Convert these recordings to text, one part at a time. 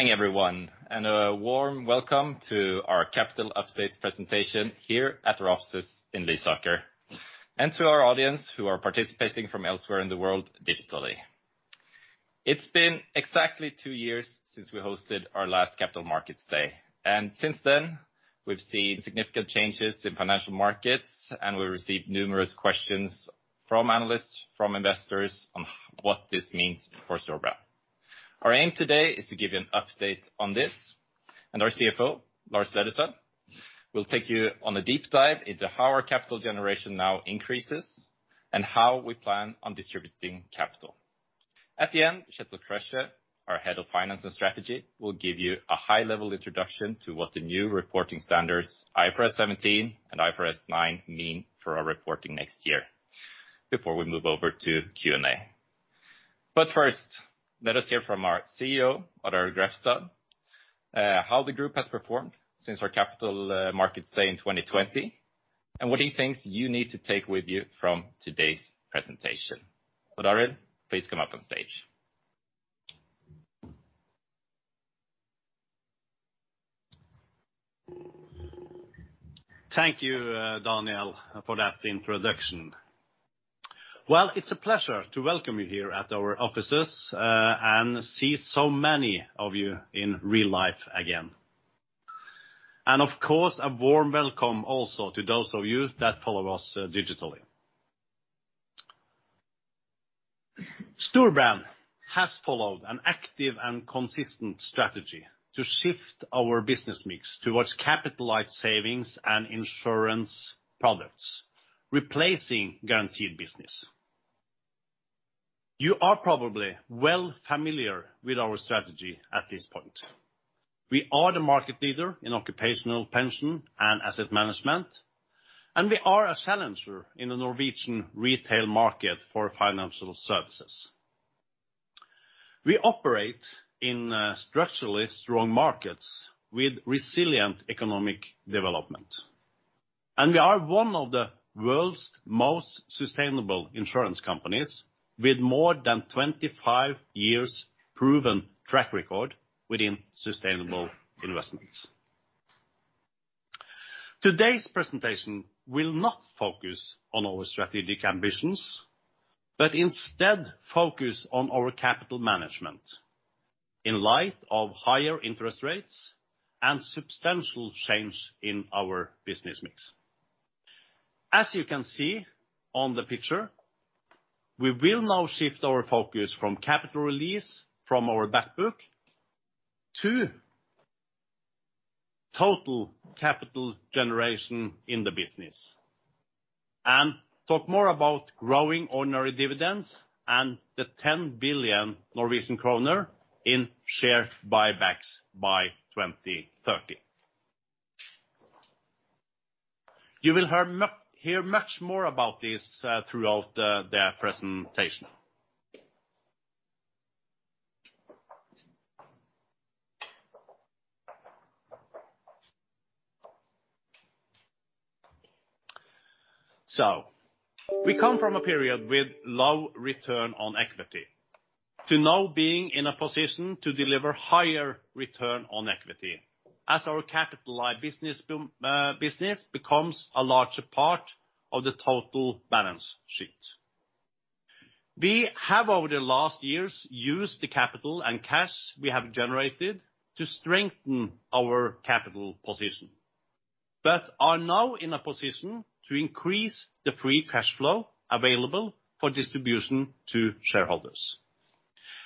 Hey, everyone, and a warm welcome to our capital update presentation here at our offices in Lysaker, and to our audience who are participating from elsewhere in the world digitally. It's been exactly two years since we hosted our last Capital Markets Day, and since then, we've seen significant changes in financial markets, and we've received numerous questions from analysts, from investors, on what this means for Storebrand. Our aim today is to give you an update on this, and our CFO, Lars Løddesøl, will take you on a deep dive into how our capital generation now increases and how we plan on distributing capital. At the end, Kjetil Krøkje, our Head of Finance and Strategy, will give you a high-level introduction to what the new reporting standards, IFRS 17 and IFRS 9, mean for our reporting next year before we move over to Q&A. But first, let us hear from our CEO, Odd Arild Grefstad, how the group has performed since our Capital Markets Day in 2020, and what he thinks you need to take with you from today's presentation. Odd Arild, please come up on stage. Thank you, Daniel, for that introduction. Well, it's a pleasure to welcome you here at our offices and see so many of you in real life again, and, of course, a warm welcome also to those of you that follow us digitally. Storebrand has followed an active and consistent strategy to shift our business mix towards capital-like savings and insurance products, replacing guaranteed business. You are probably well familiar with our strategy at this point. We are the market leader in occupational pension and asset management, and we are a challenger in the Norwegian retail market for financial services. We operate in structurally strong markets with resilient economic development, and we are one of the world's most sustainable insurance companies with more than 25 years' proven track record within sustainable investments. Today's presentation will not focus on our strategic ambitions, but instead focus on our capital management in light of higher interest rates and substantial change in our business mix. As you can see on the picture, we will now shift our focus from capital release from our back book to total capital generation in the business and talk more about growing ordinary dividends and the 10 billion Norwegian kroner in share buybacks by 2030. You will hear much more about this throughout the presentation. So, we come from a period with low return on equity to now being in a position to deliver higher return on equity as our capital-like business becomes a larger part of the total balance sheet. We have, over the last years, used the capital and cash we have generated to strengthen our capital position, but are now in a position to increase the free cash flow available for distribution to shareholders,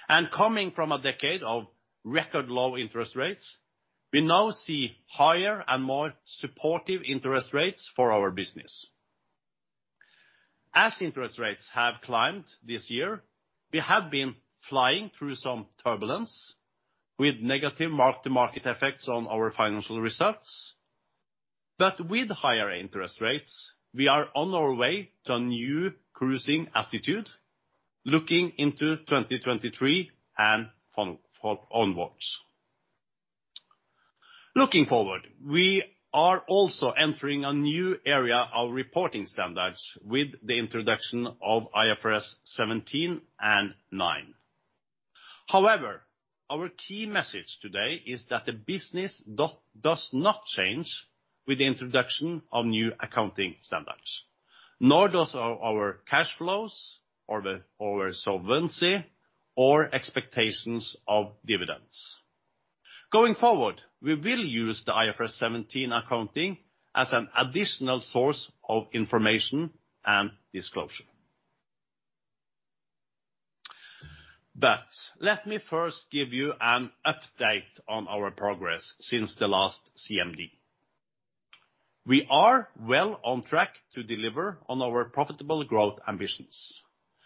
and coming from a decade of record low interest rates, we now see higher and more supportive interest rates for our business. As interest rates have climbed this year, we have been flying through some turbulence with negative mark-to-market effects on our financial results, but with higher interest rates, we are on our way to a new cruising altitude looking into 2023 and onwards. Looking forward, we are also entering a new era of reporting standards with the introduction of IFRS 17 and 9. However, our key message today is that the business does not change with the introduction of new accounting standards, nor do our cash flows, our solvency, or expectations of dividends. Going forward, we will use the IFRS 17 accounting as an additional source of information and disclosure. But let me first give you an update on our progress since the last CMD. We are well on track to deliver on our profitable growth ambitions,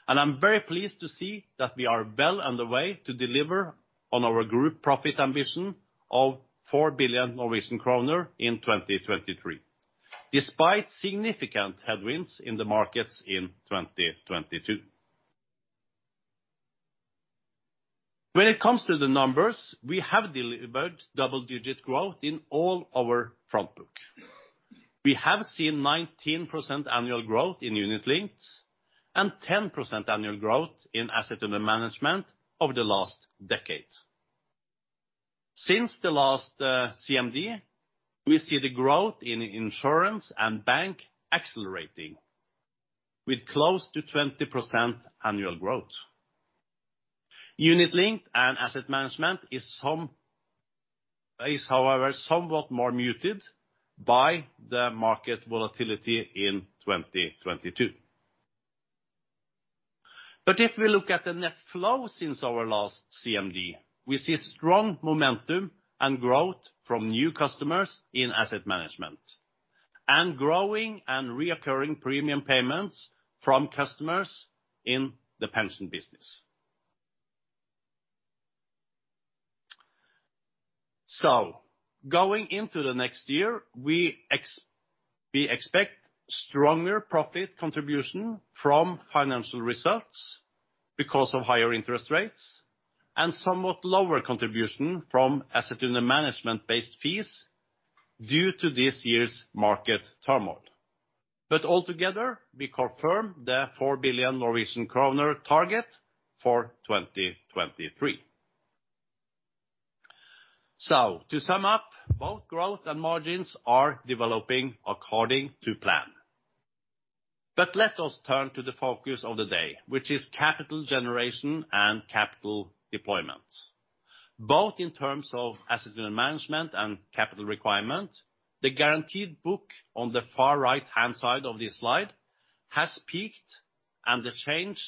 and I'm very pleased to see that we are well on the way to deliver on our group profit ambition of 4 billion Norwegian kroner in 2023, despite significant headwinds in the markets in 2022. When it comes to the numbers, we have delivered double-digit growth in all our front book. We have seen 19% annual growth in unit-linked and 10% annual growth in assets under management over the last decade. Since the last CMD, we see the growth in insurance and bank accelerating with close to 20% annual growth. Unit-linked and asset management is, however, somewhat more muted by the market volatility in 2022. but if we look at the net flow since our last CMD, we see strong momentum and growth from new customers in asset management and growing and recurring premium payments from customers in the pension business. so, going into the next year, we expect stronger profit contribution from financial results because of higher interest rates and somewhat lower contribution from assets under management-based fees due to this year's market turmoil. but altogether, we confirm the 4 billion Norwegian kroner target for 2023. so, to sum up, both growth and margins are developing according to plan. but let us turn to the focus of the day, which is capital generation and capital deployment. Both in terms of assets under management and capital requirement, the guaranteed book on the far right-hand side of this slide has peaked, and the change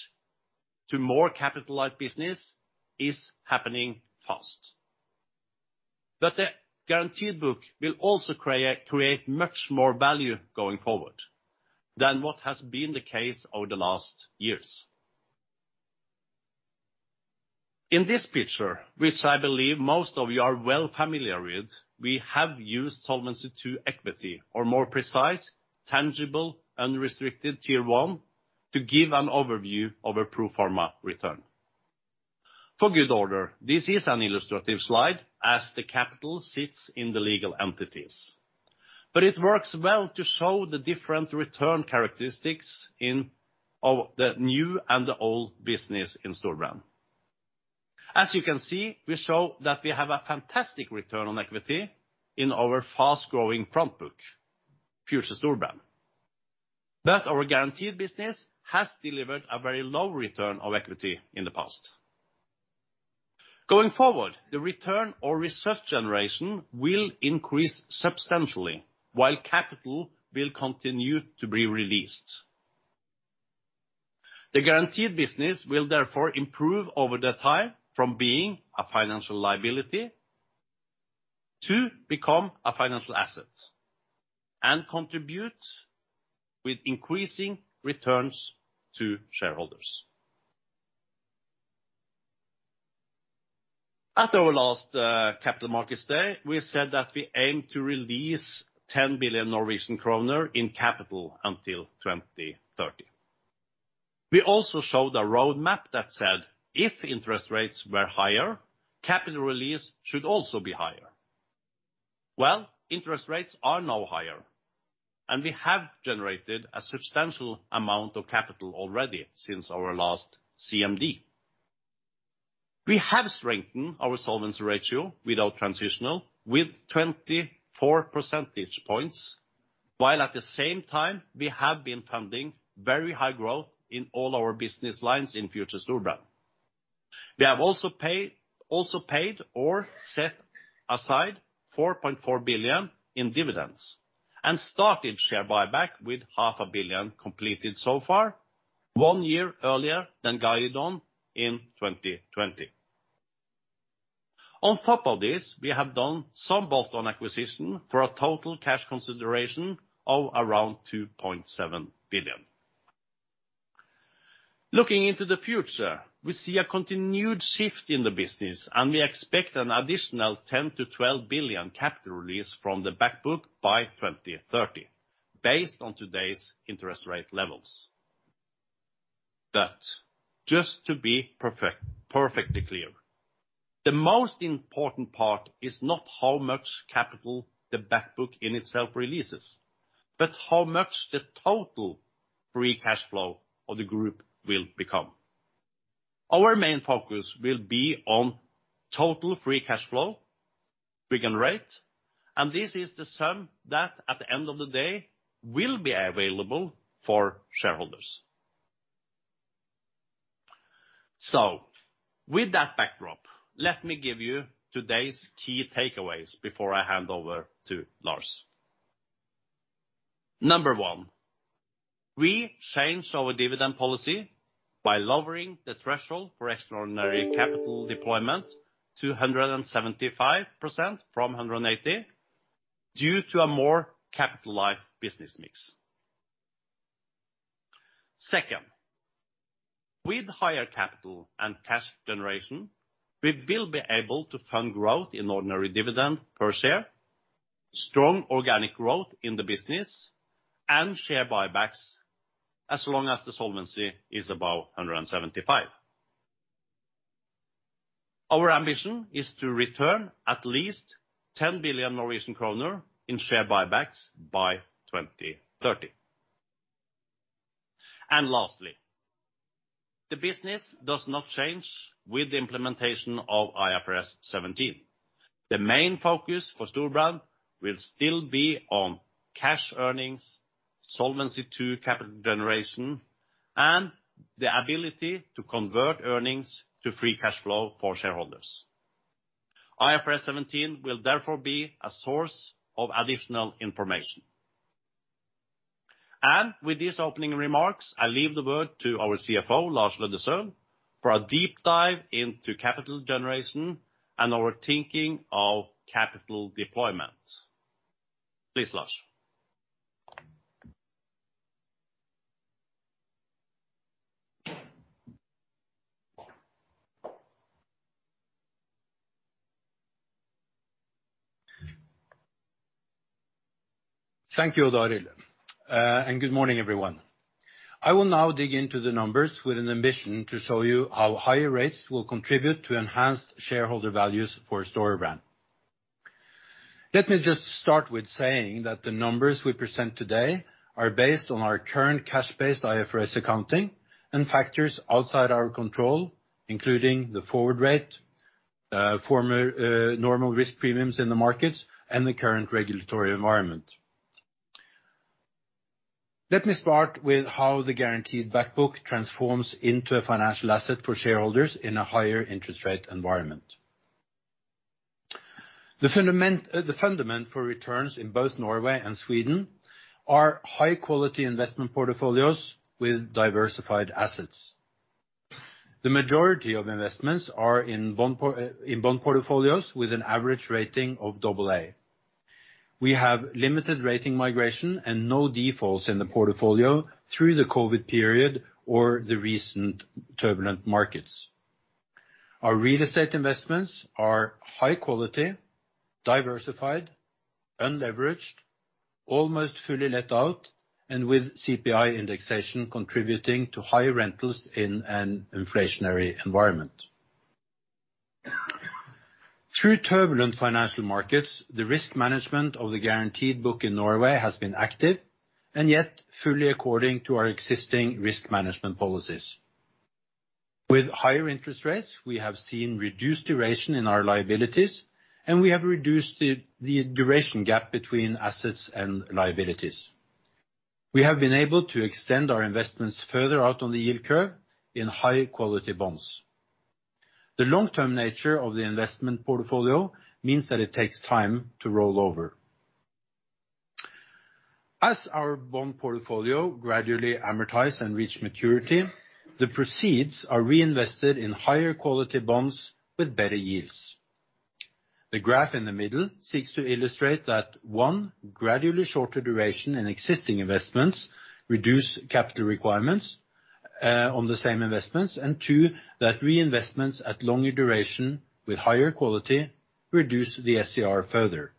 to more capital-like business is happening fast. But the guaranteed book will also create much more value going forward than what has been the case over the last years. In this picture, which I believe most of you are well familiar with, we have used Solvency II to equity, or more precise, Tangible Unrestricted Tier 1 to give an overview of a pro forma return. For good order, this is an illustrative slide as the capital sits in the legal entities, but it works well to show the different return characteristics of the new and the old business in Storebrand. As you can see, we show that we have a fantastic return on equity in our front book, Future Storebrand. But our guaranteed business has delivered a very low return on equity in the past. Going forward, the return or reserve generation will increase substantially while capital will continue to be released. The guaranteed business will therefore improve over the time from being a financial liability to become a financial asset and contribute with increasing returns to shareholders. At our last Capital Markets Day, we said that we aim to release 10 billion Norwegian kroner in capital until 2030. We also showed a roadmap that said if interest rates were higher, capital release should also be higher. Well, interest rates are now higher, and we have generated a substantial amount of capital already since our last CMD. We have strengthened our solvency ratio without transitional with 24 percentage points, while at the same time, we have been funding very high growth in all our business lines in Future Storebrand. We have also paid or set a side 4.4 billion NOK in dividends and started share buyback with 0.5 billion NOK completed so far, one year earlier than guided on in 2020. On top of this, we have done some bolt-on acquisitions for a total cash consideration of around 2.7 billion. Looking into the future, we see a continued shift in the business, and we expect an additional 10-12 billion capital release from the back book by 2030 based on today's interest rate levels. But just to be perfectly clear, the most important part is not how much capital the back book in itself releases, but how much the total free cash flow of the group will become. Our main focus will be on total free cash flow, trigger rate, and this is the sum that at the end of the day will be available for shareholders. So, with that backdrop, let me give you today's key takeaways before I hand over to Lars. Number one, we changed our dividend policy by lowering the threshold for extraordinary capital deployment to 175% from 180% due to a more capital-like business mix. Second, with higher capital and cash generation, we will be able to fund growth in ordinary dividend per share, strong organic growth in the business, and share buybacks as long as the solvency is above 175%. Our ambition is to return at least 10 billion Norwegian kroner in share buybacks by 2030. And lastly, the business does not change with the implementation of IFRS 17. The main focus for Storebrand will still be on cash earnings, Solvency II capital generation, and the ability to convert earnings to free cash flow for shareholders. IFRS 17 will therefore be a source of additional information. And with these opening remarks, I leave the word to our CFO, Lars Løddesøl, for a deep dive into capital generation and our thinking of capital deployment. Please, Lars. Thank you, Odd Arild Grefstad, and good morning, everyone. I will now dig into the numbers with an ambition to show you how higher rates will contribute to enhanced shareholder values for Storebrand. Let me just start with saying that the numbers we present today are based on our current cash-based IFRS accounting and factors outside our control, including the forward rate, normal risk premiums in the markets, and the current regulatory environment. Let me start with how the guaranteed back book transforms into a financial asset for shareholders in a higher interest rate environment. The fundamental for returns in both Norway and Sweden are high-quality investment portfolios with diversified assets. The majority of investments are in bond portfolios with an average rating of AA. We have limited rating migration and no defaults in the portfolio through the COVID period or the recent turbulent markets. Our real estate investments are high-quality, diversified, unleveraged, almost fully let out, and with CPI indexation contributing to high rentals in an inflationary environment. Through turbulent financial markets, the risk management of the guaranteed book in Norway has been active and yet fully according to our existing risk management policies. With higher interest rates, we have seen reduced duration in our liabilities, and we have reduced the duration gap between assets and liabilities. We have been able to extend our investments further out on the yield curve in high-quality bonds. The long-term nature of the investment portfolio means that it takes time to roll over. As our bond portfolio gradually amortizes and reaches maturity, the proceeds are reinvested in higher-quality bonds with better yields. The graph in the middle seeks to illustrate that, one, gradually shorter duration in existing investments reduces capital requirements on the same investments, and two, that reinvestments at longer duration with higher quality reduce the SCR further.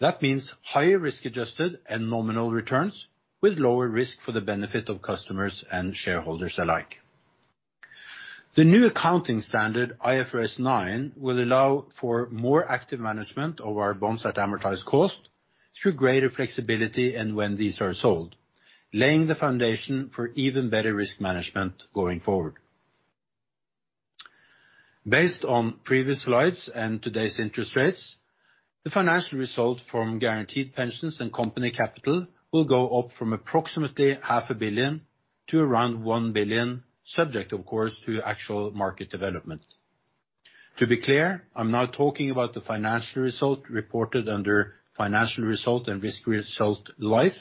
That means higher risk-adjusted and nominal returns with lower risk for the benefit of customers and shareholders alike. The new accounting standard, IFRS 9, will allow for more active management of our bonds at amortized cost through greater flexibility and when these are sold, laying the foundation for even better risk management going forward. Based on previous slides and today's interest rates, the financial result from guaranteed pensions and Company Capital will go up from approximately 0.5 billion to around 1 billion, subject, of course, to actual market development. To be clear, I'm now talking about the financial result reported under financial result and Risk Result Life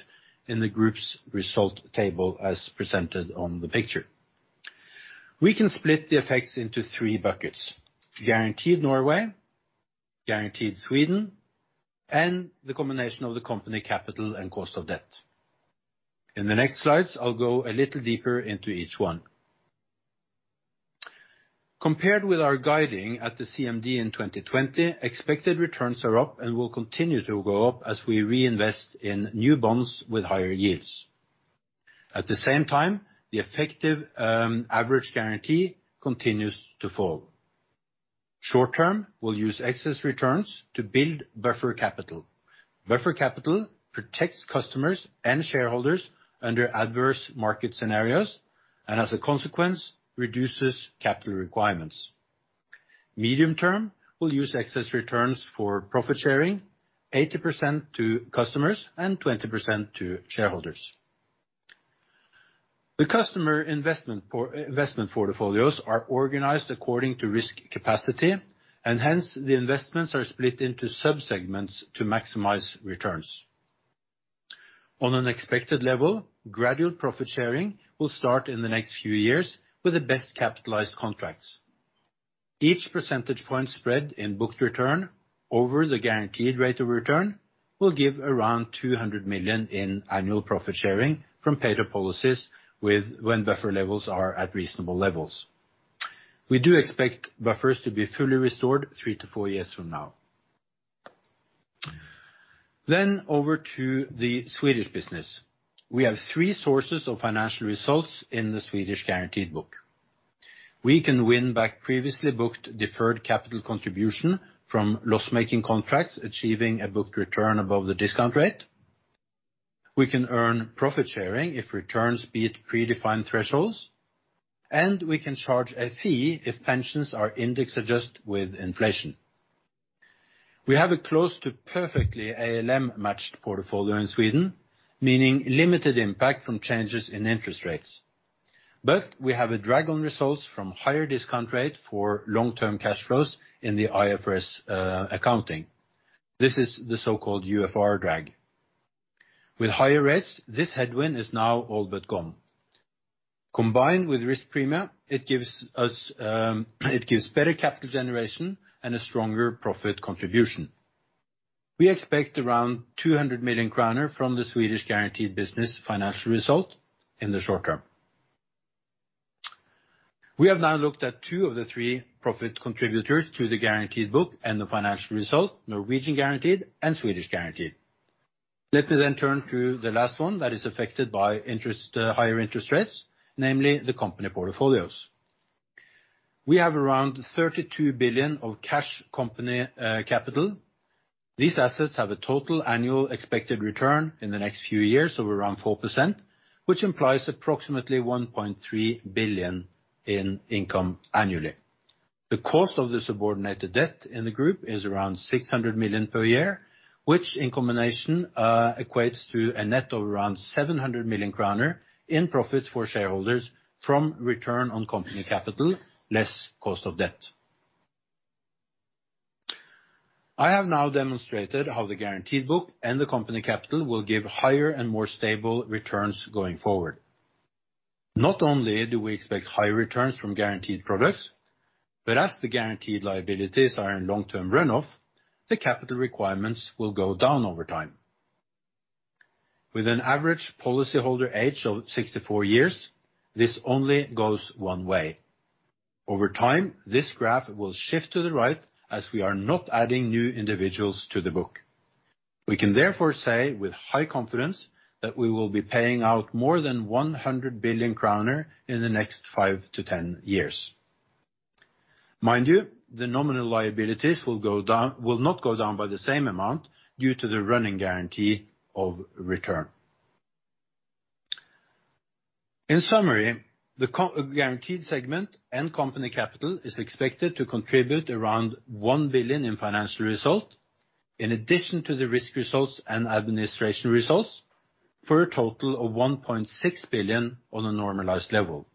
in the group's result table as presented on the picture. We can split the effects into three buckets: Guaranteed Norway, Guaranteed Sweden, and the combination of the Company Capital and cost of debt. In the next slides, I'll go a little deeper into each one. Compared with our guidance at the CMD in 2020, expected returns are up and will continue to go up as we reinvest in new bonds with higher yields. At the same time, the effective average guarantee continues to fall. Short-term, we'll use excess returns to build buffer capital. Buffer capital protects customers and shareholders under adverse market scenarios and, as a consequence, reduces capital requirements. Medium-term, we'll use excess returns for profit sharing, 80% to customers and 20% to shareholders. The customer investment portfolios are organized according to risk capacity, and hence the investments are split into subsegments to maximize returns. On an expected level, gradual profit sharing will start in the next few years with the best capitalized contracts. Each percentage point spread in booked return over the guaranteed rate of return will give around 200 million in annual profit sharing from paid-up policies when buffer levels are at reasonable levels. We do expect buffers to be fully restored 3-4 years from now. Then, over to the Swedish business. We have three sources of financial results in the Swedish guaranteed book. We can win back previously booked deferred capital contribution from loss-making contracts achieving a booked return above the discount rate. We can earn profit sharing if returns beat predefined thresholds, and we can charge a fee if pensions are index-adjusted with inflation. We have a close to perfectly ALM-matched portfolio in Sweden, meaning limited impact from changes in interest rates. But we have a drag on results from higher discount rate for long-term cash flows in the IFRS accounting. This is the so-called UFR drag. With higher rates, this headwind is now all but gone. Combined with risk premia, it gives us better capital generation and a stronger profit contribution. We expect around 200 million kroner from the Swedish guaranteed business financial result in the short term. We have now looked at two of the three profit contributors to the guaranteed book and the financial result, Norwegian guaranteed and Swedish guaranteed. Let me then turn to the last one that is affected by higher interest rates, namely the company portfolios. We have around 32 billion of cash Company Capital. These assets have a total annual expected return in the next few years of around 4%, which implies approximately 1.3 billion in income annually. The cost of the subordinated debt in the group is around 600 million per year, which in combination equates to a net of around 700 million kroner in profits for shareholders from return on Company Capital less cost of debt. I have now demonstrated how the guaranteed book and the Company Capital will give higher and more stable returns going forward. Not only do we expect higher returns from guaranteed products, but as the guaranteed liabilities are in long-term runoff, the capital requirements will go down over time. With an average policyholder age of 64 years, this only goes one way. Over time, this graph will shift to the right as we are not adding new individuals to the book. We can therefore say with high confidence that we will be paying out more than 100 billion kroner in the next five to 10 years. Mind you, the nominal liabilities will not go down by the same amount due to the running guarantee of return. In summary, the guaranteed segment and Company Capital is expected to contribute around 1 billion in financial result, in addition to the risk results and administration results, for a total of 1.6 billion on a normalized level.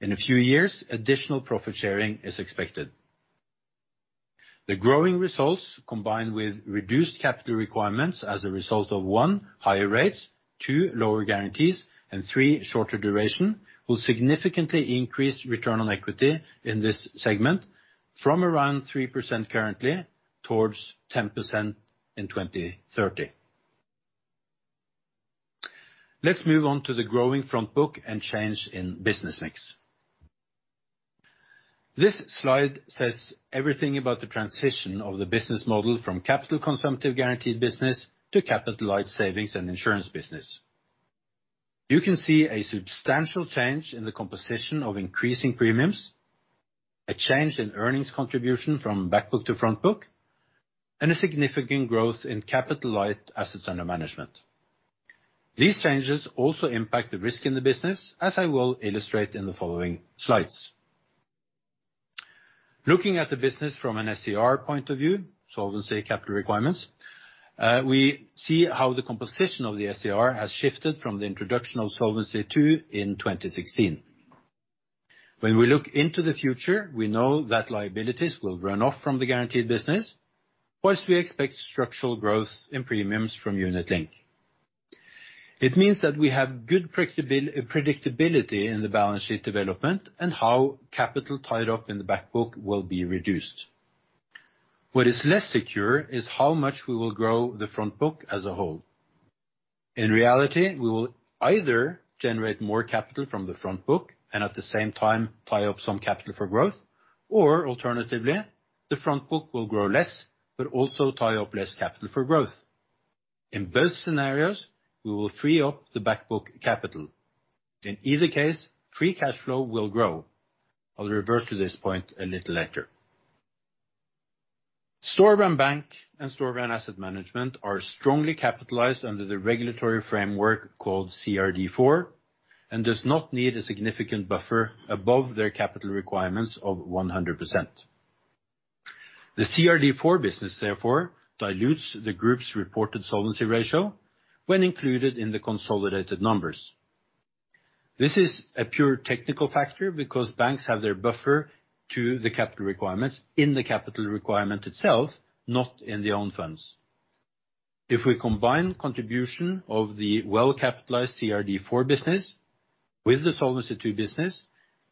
In a few years, additional profit sharing is expected. The growing results, combined with reduced capital requirements as a result of one, higher rates, two, lower guarantees, and three, shorter duration, will significantly increase return on equity in this segment from around 3% currently towards 10% in 2030. Let's move on to the growing front book and change in business mix. This slide says everything about the transition of the business model from capital-consumptive guaranteed business to capital-light savings and insurance business. You can see a substantial change in the composition of increasing premiums, a change in earnings contribution from back book to front book, and a significant growth in capital-light assets under management. These changes also impact the risk in the business, as I will illustrate in the following slides. Looking at the business from an SCR point of view, solvency capital requirements, we see how the composition of the SCR has shifted from the introduction of Solvency II in 2016. When we look into the future, we know that liabilities will run off from the guaranteed business, while we expect structural growth in premiums from unit-linked. It means that we have good predictability in the balance sheet development and how capital tied up in the back book will be reduced. What is less secure is how much we will grow the front book as a whole. In reality, we will either generate more capital from the front book and at the same time tie up some capital for growth, or alternatively, the front book will grow less but also tie up less capital for growth. In both scenarios, we will free up the back book capital. In either case, free cash flow will grow. I'll revert to this point a little later. Storebrand Bank and Storebrand Asset Management are strongly capitalized under the regulatory framework called CRD IV and do not need a significant buffer above their capital requirements of 100%. The CRD IV business, therefore, dilutes the group's reported solvency ratio when included in the consolidated numbers. This is a pure technical factor because banks have their buffer to the capital requirements in the capital requirement itself, not in the Own Funds. If we combine contribution of the well-capitalized CRD IV business with the Solvency II business,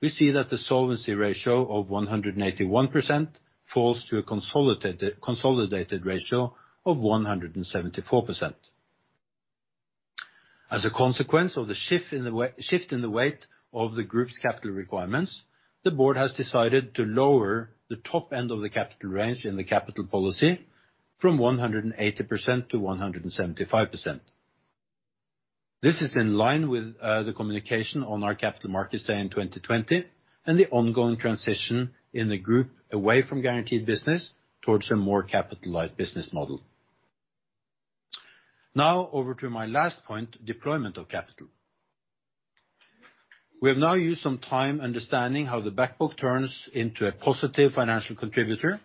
we see that the solvency ratio of 181% falls to a consolidated ratio of 174%. As a consequence of the shift in the weight of the group's capital requirements, the board has decided to lower the top end of the capital range in the capital policy from 180% to 175%. This is in line with the communication on our Capital Markets Day in 2020 and the ongoing transition in the group away from guaranteed business towards a more capital-light business model. Now, over to my last point, deployment of capital. We have now used some time understanding how the back book turns into a positive financial contributor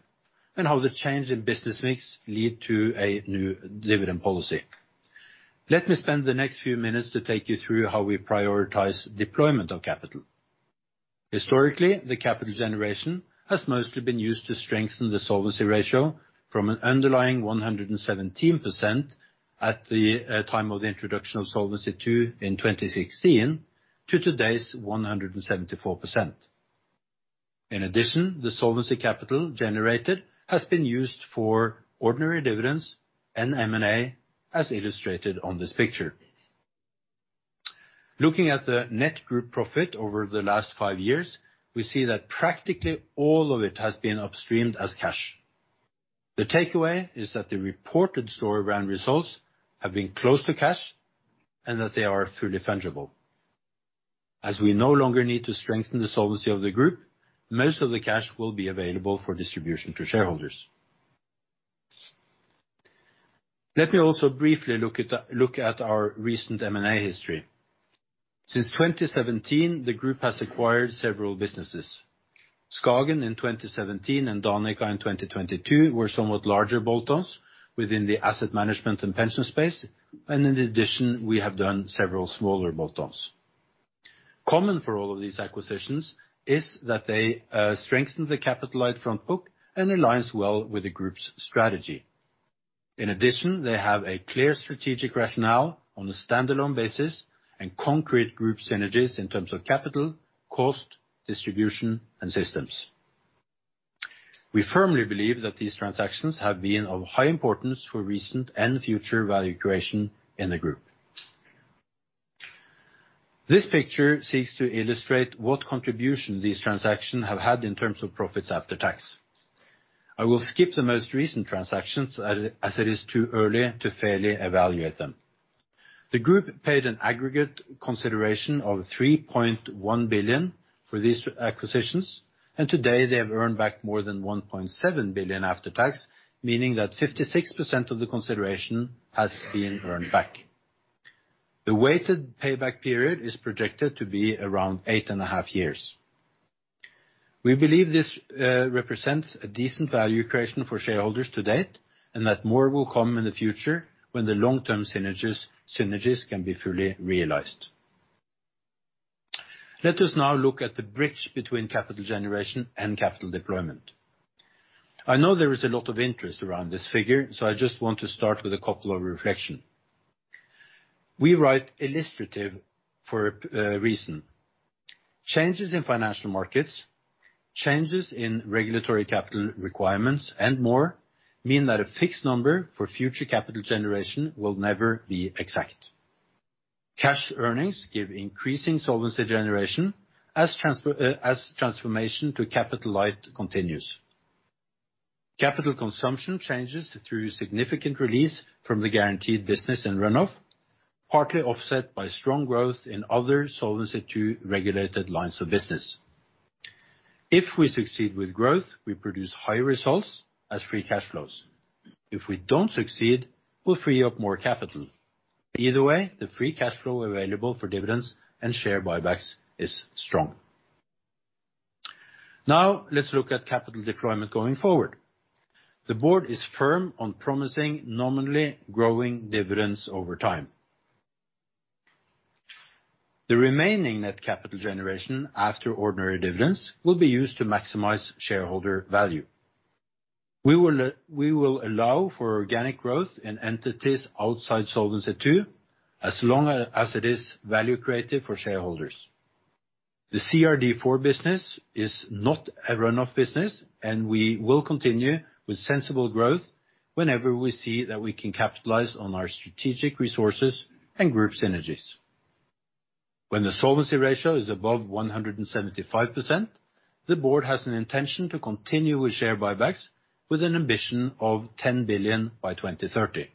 and how the change in business mix leads to a new dividend policy. Let me spend the next few minutes to take you through how we prioritize deployment of capital. Historically, the capital generation has mostly been used to strengthen the solvency ratio from an underlying 117% at the time of the introduction of Solvency II in 2016 to today's 174%. In addition, the solvency capital generated has been used for ordinary dividends and M&A, as illustrated on this picture. Looking at the net group profit over the last five years, we see that practically all of it has been upstreamed as cash. The takeaway is that the reported Storebrand results have been close to cash and that they are fully fungible. As we no longer need to strengthen the solvency of the group, most of the cash will be available for distribution to shareholders. Let me also briefly look at our recent M&A history. Since 2017, the group has acquired several businesses. Skagen in 2017 and Danica in 2022 were somewhat larger bolt-ons within the asset management and pension space, and in addition, we have done several smaller bolt-ons. Common for all of these acquisitions is that they strengthen the capital-light front book and align well with the group's strategy. In addition, they have a clear strategic rationale on a standalone basis and concrete group synergies in terms of capital, cost, distribution, and systems. We firmly believe that these transactions have been of high importance for recent and future value creation in the group. This picture seeks to illustrate what contribution these transactions have had in terms of profits after tax. I will skip the most recent transactions as it is too early to fairly evaluate them. The group paid an aggregate consideration of 3.1 billion for these acquisitions, and today they have earned back more than 1.7 billion after tax, meaning that 56% of the consideration has been earned back. The weighted payback period is projected to be around eight and a half years. We believe this represents a decent value creation for shareholders to date and that more will come in the future when the long-term synergies can be fully realized. Let us now look at the bridge between capital generation and capital deployment. I know there is a lot of interest around this figure, so I just want to start with a couple of reflections. We write illustrative for a reason. Changes in financial markets, changes in regulatory capital requirements, and more mean that a fixed number for future capital generation will never be exact. Cash earnings give increasing solvency generation as transformation to capital-light continues. Capital consumption changes through significant release from the guaranteed business and runoff, partly offset by strong growth in other Solvency II regulated lines of business. If we succeed with growth, we produce high results as free cash flows. If we don't succeed, we'll free up more capital. Either way, the free cash flow available for dividends and share buybacks is strong. Now, let's look at capital deployment going forward. The board is firm on promising nominally growing dividends over time. The remaining net capital generation after ordinary dividends will be used to maximize shareholder value. We will allow for organic growth in entities outside Solvency II as long as it is value creative for shareholders. The CRD IV business is not a runoff business, and we will continue with sensible growth whenever we see that we can capitalize on our strategic resources and group synergies. When the solvency ratio is above 175%, the board has an intention to continue with share buybacks with an ambition of 10 billion by 2030.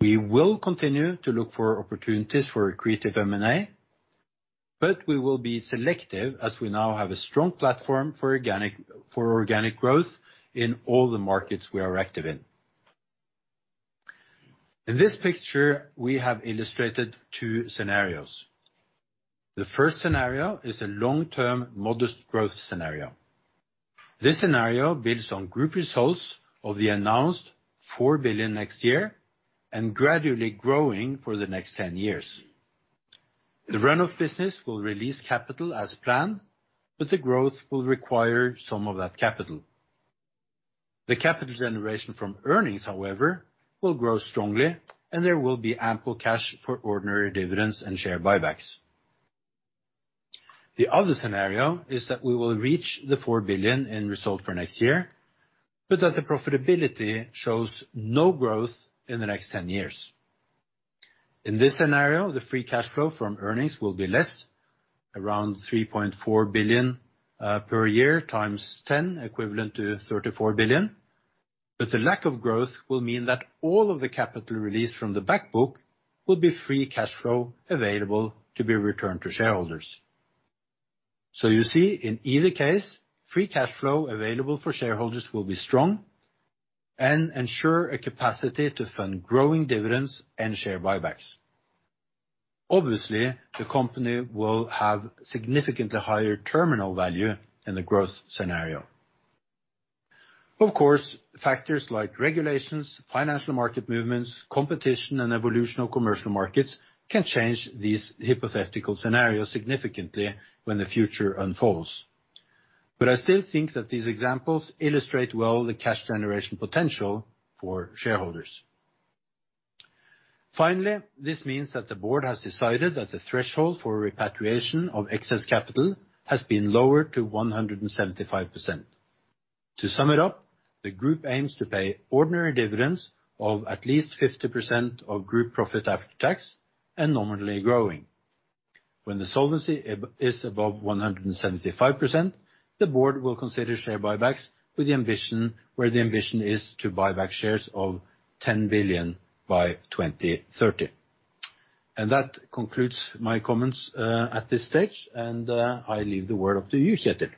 We will continue to look for opportunities for a creative M&A, but we will be selective as we now have a strong platform for organic growth in all the markets we are active in. In this picture, we have illustrated two scenarios. The first scenario is a long-term modest growth scenario. This scenario builds on group results of the announced 4 billion next year and gradually growing for the next 10 years. The runoff business will release capital as planned, but the growth will require some of that capital. The capital generation from earnings, however, will grow strongly, and there will be ample cash for ordinary dividends and share buybacks. The other scenario is that we will reach the 4 billion in result for next year, but that the profitability shows no growth in the next 10 years. In this scenario, the free cash flow from earnings will be less, around 3.4 billion per year times 10, equivalent to 34 billion. But the lack of growth will mean that all of the capital released from the back book will be free cash flow available to be returned to shareholders. So you see, in either case, free cash flow available for shareholders will be strong and ensure a capacity to fund growing dividends and share buybacks. Obviously, the company will have significantly higher terminal value in the growth scenario. Of course, factors like regulations, financial market movements, competition, and evolution of commercial markets can change these hypothetical scenarios significantly when the future unfolds. But I still think that these examples illustrate well the cash generation potential for shareholders. Finally, this means that the board has decided that the threshold for repatriation of excess capital has been lowered to 175%. To sum it up, the group aims to pay ordinary dividends of at least 50% of group profit after tax and nominally growing. When the solvency is above 175%, the board will consider share buybacks with the ambition, where the ambition is to buy back shares of 10 billion by 2030. And that concludes my comments at this stage, and I leave the word up to you, Kjetil.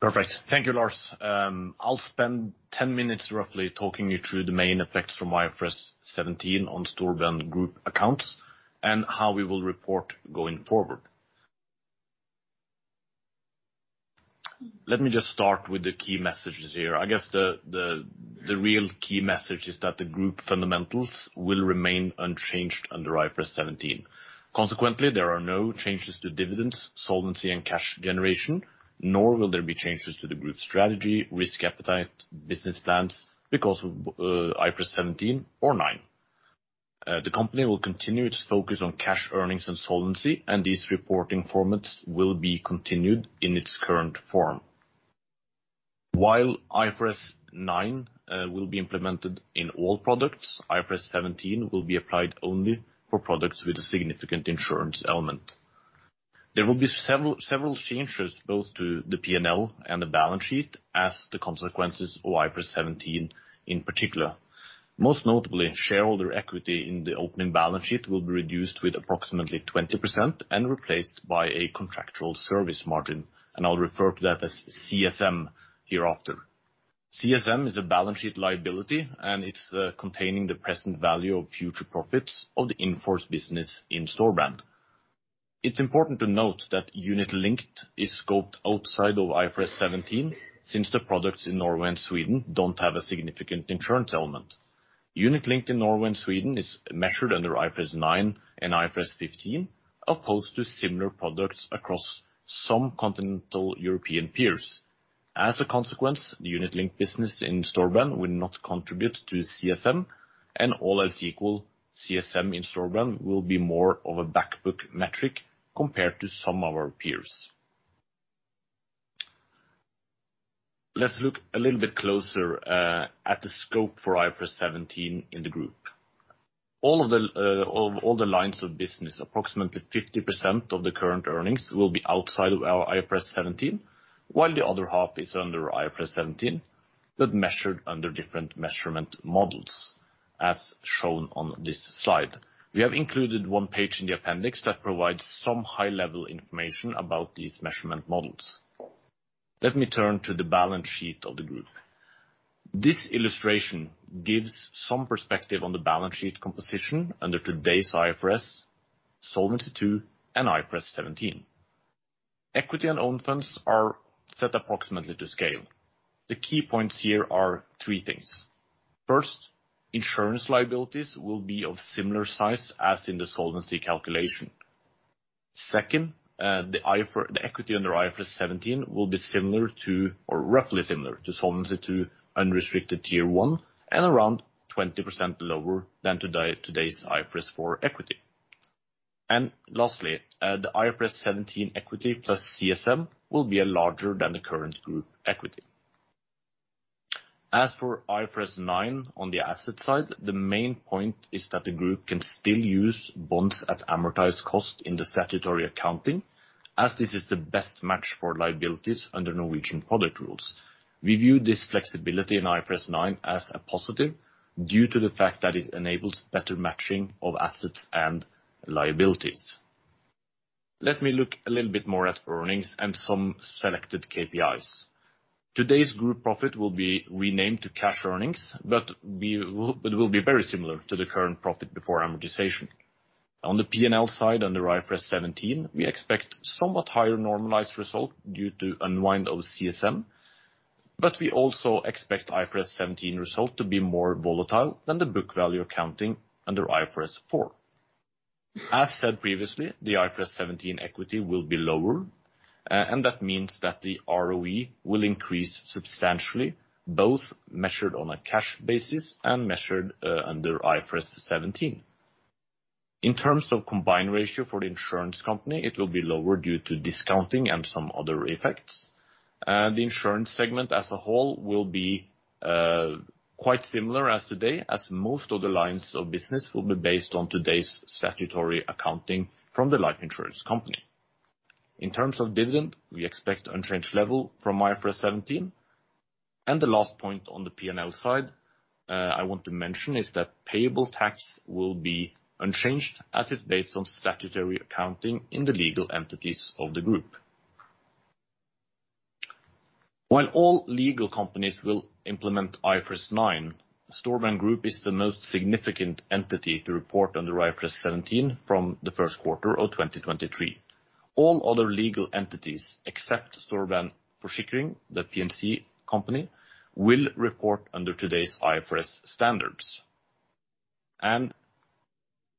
Perfect. Thank you, Lars. I'll spend 10 minutes roughly talking you through the main effects from IFRS 17 on Storebrand Group accounts and how we will report going forward. Let me just start with the key messages here. I guess the real key message is that the group fundamentals will remain unchanged under IFRS 17. Consequently, there are no changes to dividends, solvency, and cash generation, nor will there be changes to the group strategy, risk appetite, business plans because of IFRS 17 or 9. The company will continue its focus on cash earnings and solvency, and these reporting formats will be continued in its current form. While IFRS 9 will be implemented in all products, IFRS 17 will be applied only for products with a significant insurance element. There will be several changes both to the P&L and the balance sheet as the consequences of IFRS 17 in particular. Most notably, shareholder equity in the opening balance sheet will be reduced with approximately 20% and replaced by a Contractual Service Margin, and I'll refer to that as CSM hereafter. CSM is a balance sheet liability, and it's containing the present value of future profits of the in-force business in Storebrand. It's important to note that unit-linked is scoped outside of IFRS 17 since the products in Norway and Sweden don't have a significant insurance element. Unit-linked in Norway and Sweden is measured under IFRS 9 and IFRS 15 opposed to similar products across some continental European peers. As a consequence, the unit-linked business in Storebrand will not contribute to CSM, and all else equal, CSM in Storebrand will be more of a back book metric compared to some of our peers. Let's look a little bit closer at the scope for IFRS 17 in the group. All of the lines of business, approximately 50% of the current earnings will be outside of our IFRS 17, while the other half is under IFRS 17, but measured under different measurement models as shown on this slide. We have included one page in the appendix that provides some high-level information about these measurement models. Let me turn to the balance sheet of the group. This illustration gives some perspective on the balance sheet composition under today's IFRS, Solvency II, and IFRS 17. Equity and Own Funds are set approximately to scale. The key points here are three things. First, insurance liabilities will be of similar size as in the solvency calculation. Second, the equity under IFRS 17 will be similar to, or roughly similar to, Solvency II unrestricted Tier 1 and around 20% lower than today's IFRS for equity. Lastly, the IFRS 17 equity plus CSM will be larger than the current group equity. As for IFRS 9 on the asset side, the main point is that the group can still use bonds at amortized cost in the statutory accounting as this is the best match for liabilities under Norwegian product rules. We view this flexibility in IFRS 9 as a positive due to the fact that it enables better matching of assets and liabilities. Let me look a little bit more at earnings and some selected KPIs. Today's group profit will be renamed to cash earnings, but it will be very similar to the current profit before amortization. On the P&L side under IFRS 17, we expect somewhat higher normalized result due to unwind of CSM, but we also expect IFRS 17 result to be more volatile than the book value accounting under IFRS 4. As said previously, the IFRS 17 equity will be lower, and that means that the ROE will increase substantially, both measured on a cash basis and measured under IFRS 17. In terms of combined ratio for the insurance company, it will be lower due to discounting and some other effects. The insurance segment as a whole will be quite similar as today, as most of the lines of business will be based on today's statutory accounting from the life insurance company. In terms of dividend, we expect unchanged level from IFRS 17, and the last point on the P&L side I want to mention is that payable tax will be unchanged as it's based on statutory accounting in the legal entities of the group. While all legal companies will implement IFRS 9, Storebrand Group is the most significant entity to report under IFRS 17 from the first quarter of 2023. All other legal entities except Storebrand Forsikring, the P&L company, will report under today's IFRS standards. And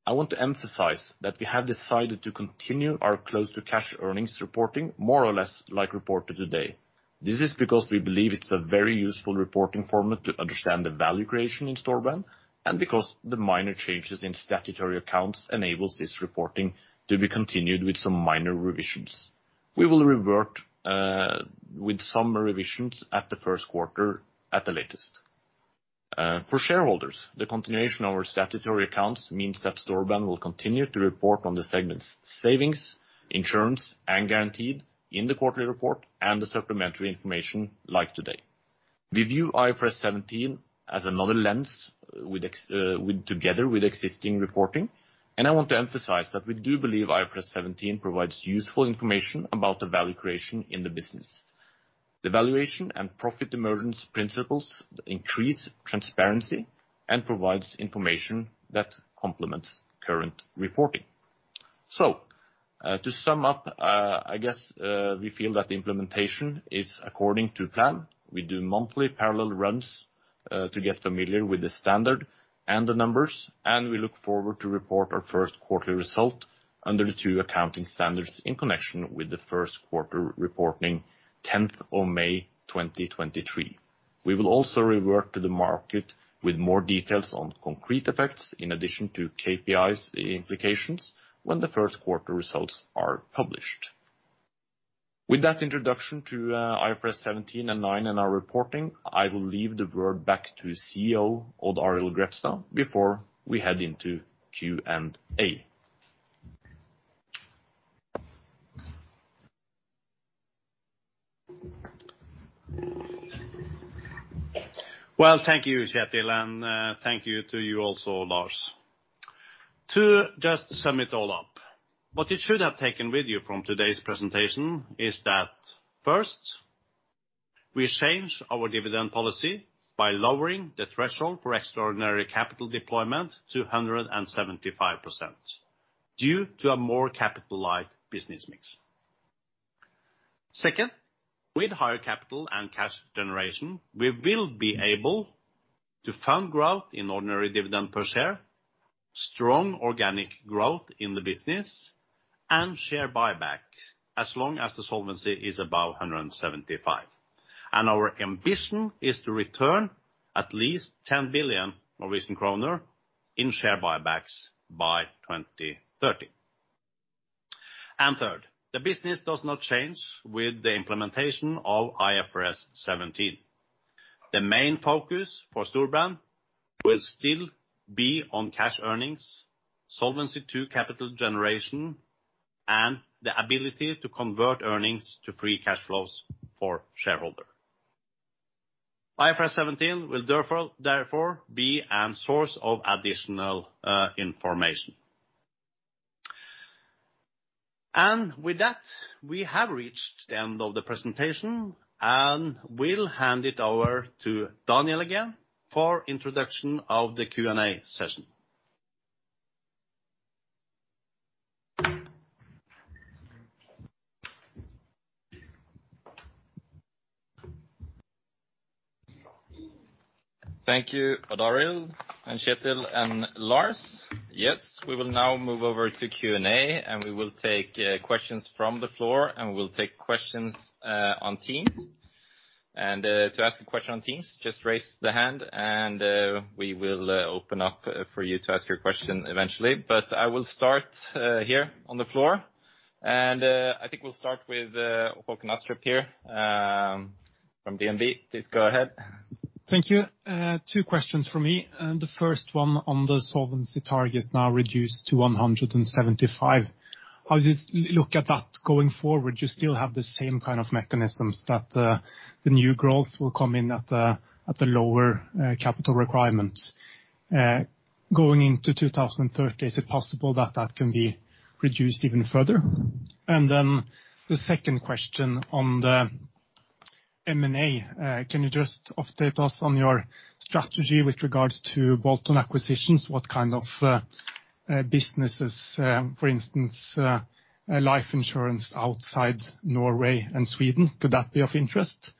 I want to emphasize that we have decided to continue our close to cash earnings reporting more or less like reported today. This is because we believe it's a very useful reporting format to understand the value creation in Storebrand and because the minor changes in statutory accounts enables this reporting to be continued with some minor revisions. We will revert with some revisions at the first quarter at the latest. For shareholders, the continuation of our statutory accounts means that Storebrand will continue to report on the segments Savings, Insurance, and Guaranteed in the quarterly report and the supplementary information like today. We view IFRS 17 as another lens together with existing reporting, and I want to emphasize that we do believe IFRS 17 provides useful information about the value creation in the business. The valuation and profit emergence principles increase transparency and provide information that complements current reporting. So, to sum up, I guess we feel that the implementation is according to plan. We do monthly parallel runs to get familiar with the standard and the numbers, and we look forward to report our first quarterly result under the two accounting standards in connection with the first quarter reporting, 10th of May 2023. We will also revert to the market with more details on concrete effects in addition to KPIs implications when the first quarter results are published. With that introduction to IFRS 17 and 9 and our reporting, I will leave the word back to CEO Odd Arild Grefstad before we head into Q&A. Well, thank you, Kjetil, and thank you to you also, Lars. To just sum it all up, what you should have taken with you from today's presentation is that, first, we change our dividend policy by lowering the threshold for extraordinary capital deployment to 175% due to a more capitalized business mix. Second, with higher capital and cash generation, we will be able to fund growth in ordinary dividend per share, strong organic growth in the business, and share buyback as long as the solvency is above 175. And our ambition is to return at least 10 billion Norwegian kroner in share buybacks by 2030. And third, the business does not change with the implementation of IFRS 17. The main focus for Storebrand will still be on cash earnings, Solvency II capital generation, and the ability to convert earnings to free cash flows for shareholders. IFRS 17 will therefore be a source of additional information. And with that, we have reached the end of the presentation, and we'll hand it over to Daniel again for introduction of the Q&A session. Thank you, Odd Arild, and Kjetil and Lars. Yes, we will now move over to Q&A, and we will take questions from the floor, and we will take questions on Teams. And to ask a question on Teams, just raise the hand, and we will open up for you to ask your question eventually. But I will start here on the floor, and I think we'll start with Håkon Astrup here from DNB. Please go ahead. Thank you. Two questions for me. The first one on the solvency target now reduced to 175. How do you look at that going forward? You still have the same kind of mechanisms that the new growth will come in at the lower capital requirements. Going into 2030, is it possible that that can be reduced even further? And then the second question on the M&A, can you just update us on your strategy with regards to bolt-on acquisitionss? What kind of businesses, for instance, life insurance outside Norway and Sweden? Could that be of interest?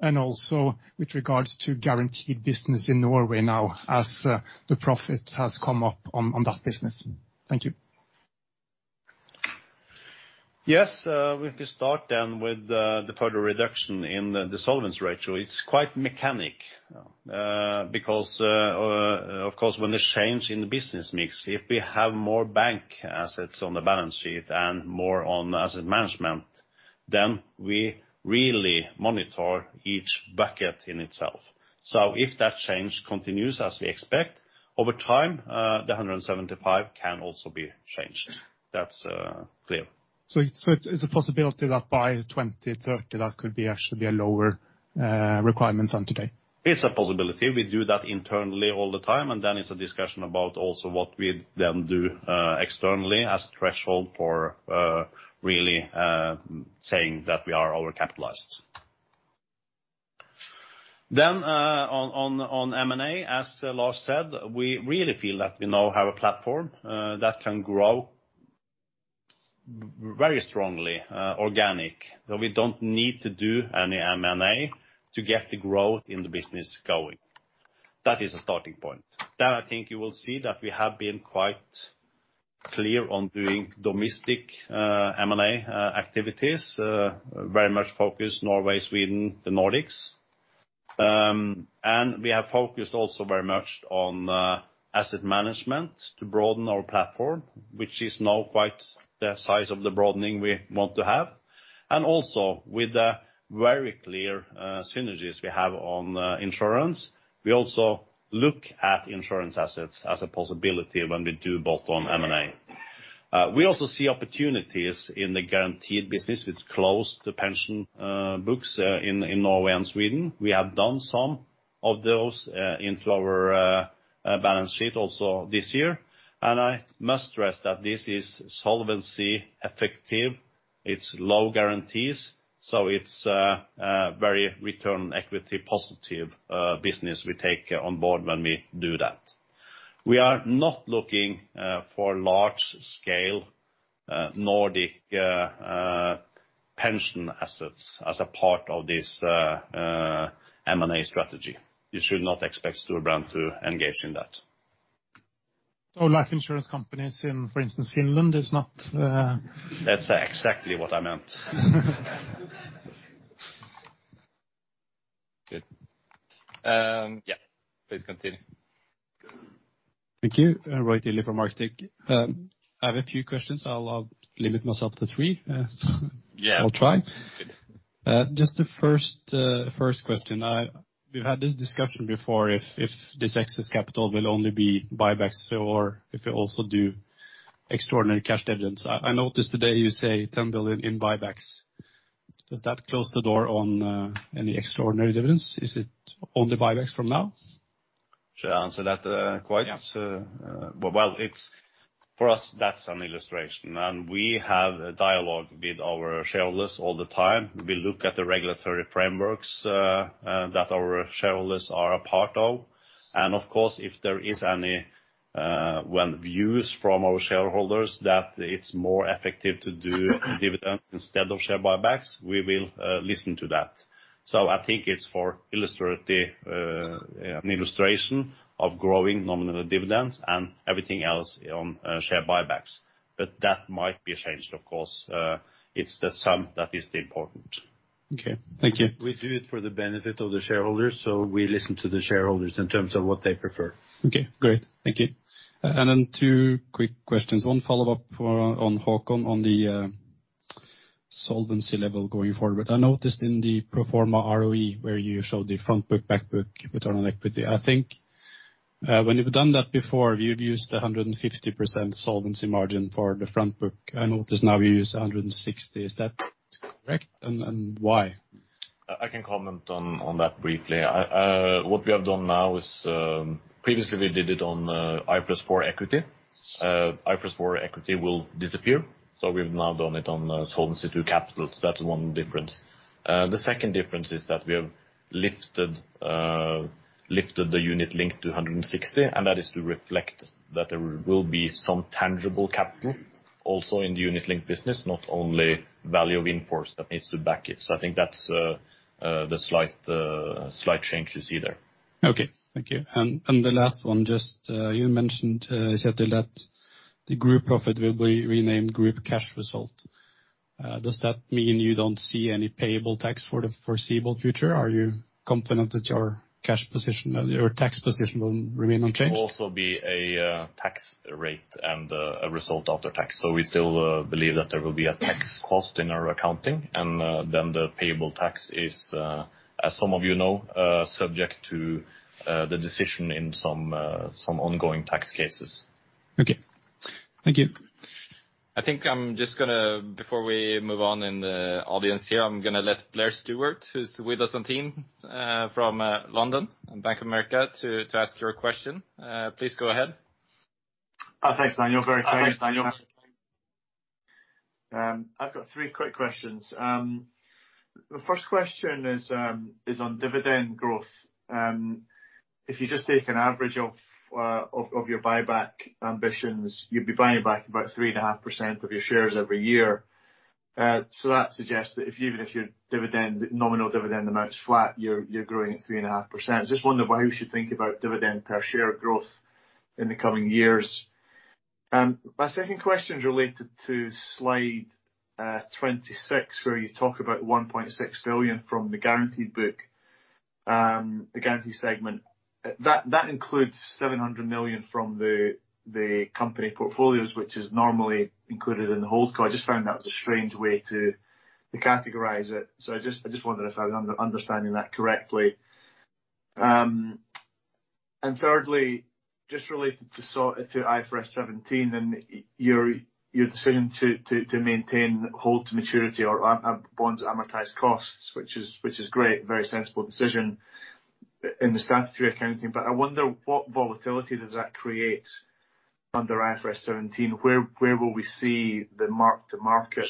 And also with regards to guaranteed business in Norway now as the profit has come up on that business? Thank you. Yes, we can start then with the further reduction in the solvency ratio. It's quite mechanical because, of course, when there's change in the business mix, if we have more bank assets on the balance sheet and more on asset management, then we really monitor each bucket in itself. So if that change continues as we expect over time, the 175 can also be changed. That's clear. So it's a possibility that by 2030, that could be actually a lower requirement than today? It's a possibility. We do that internally all the time, and then it's a discussion about also what we then do externally as a threshold for really saying that we are over-capitalized. Then on M&A, as Lars said, we really feel that we now have a platform that can grow very strongly, organic. So we don't need to do any M&A to get the growth in the business going. That is a starting point. Then I think you will see that we have been quite clear on doing domestic M&A activities, very much focused on Norway, Sweden, the Nordics. And we have focused also very much on asset management to broaden our platform, which is now quite the size of the broadening we want to have. And also with the very clear synergies we have on insurance, we also look at insurance assets as a possibility when we do bolt-on M&A. We also see opportunities in the guaranteed business with closed pension books in Norway and Sweden. We have done some of those into our balance sheet also this year. And I must stress that this is solvency effective. It's low guarantees, so it's a very ROE positive business we take on board when we do that. We are not looking for large-scale Nordic pension assets as a part of this M&A strategy. You should not expect Storebrand to engage in that. So life insurance companies in, for instance, Finland, it's not. That's exactly what I meant. Good. Yeah, please continue. Thank you, Roy Tilley from Arctic Securities. I have a few questions. I'll limit myself to three. I'll try. Just the first question. We've had this discussion before if this excess capital will only be buybacks or if we also do extraordinary cash dividends. I noticed today you say 10 billion in buybacks. Does that close the door on any extraordinary dividends? Is it only buybacks from now? Should I answer that quite? Well, for us, that's an illustration. And we have a dialogue with our shareholders all the time. We look at the regulatory frameworks that our shareholders are a part of. And of course, if there is any views from our shareholders that it's more effective to do dividends instead of share buybacks, we will listen to that. So I think it's for illustration of growing nominal dividends and everything else on share buybacks. But that might be changed, of course. It's the sum that is important. Okay, thank you. We do it for the benefit of the shareholders, so we listen to the shareholders in terms of what they prefer. Okay, great. Thank you. And then two quick questions. One follow-up on Håkon on the solvency level going forward. I noticed in the pro forma ROE where you showed the front book, back book, return on equity, I think when you've done that before, you've used 150% solvency margin for the front book. I noticed now you use 160%. Is that correct? And why? I can comment on that briefly. What we have done now is previously we did it on IFRS 4 equity. IFRS 4 equity will disappear. So we've now done it on Solvency II capital. So that's one difference. The second difference is that we have lifted the unit-linked to 160, and that is to reflect that there will be some tangible capital also in the unit-linked business, not only value of in-force that needs to back it. So I think that's the slight change you see there. Okay, thank you. And the last one, just you mentioned, Kjetil, that the group profit will be renamed group cash result. Does that mean you don't see any payable tax for the foreseeable future? Are you confident that your cash position or tax position will remain unchanged? It will also be a tax rate and a result after tax. So we still believe that there will be a tax cost in our accounting. And then the payable tax is, as some of you know, subject to the decision in some ongoing tax cases. Okay, thank you. I think I'm just going to, before we move on in the audience here, I'm going to let Blair Stewart, who's with us online from London and Bank of America, to ask your question. Please go ahead. Thanks, Daniel. Very famous, Daniel. I've got three quick questions. The first question is on dividend growth. If you just take an average of your buyback ambitions, you'd be buying back about 3.5% of your shares every year. So that suggests that even if your nominal dividend amount is flat, you're growing at 3.5%. I just wonder why you should think about dividend per share growth in the coming years. My second question is related to slide 26, where you talk about 1.6 billion from the guaranteed book, the guaranteed segment. That includes 700 million from the company portfolios, which is normally included in the hold. I just found that was a strange way to categorize it. So I just wonder if I'm understanding that correctly. And thirdly, just related to IFRS 17 and your decision to maintain hold to maturity or bonds at amortized costs, which is great, very sensible decision in the statutory accounting. But I wonder what volatility does that create under IFRS 17? Where will we see the mark-to-market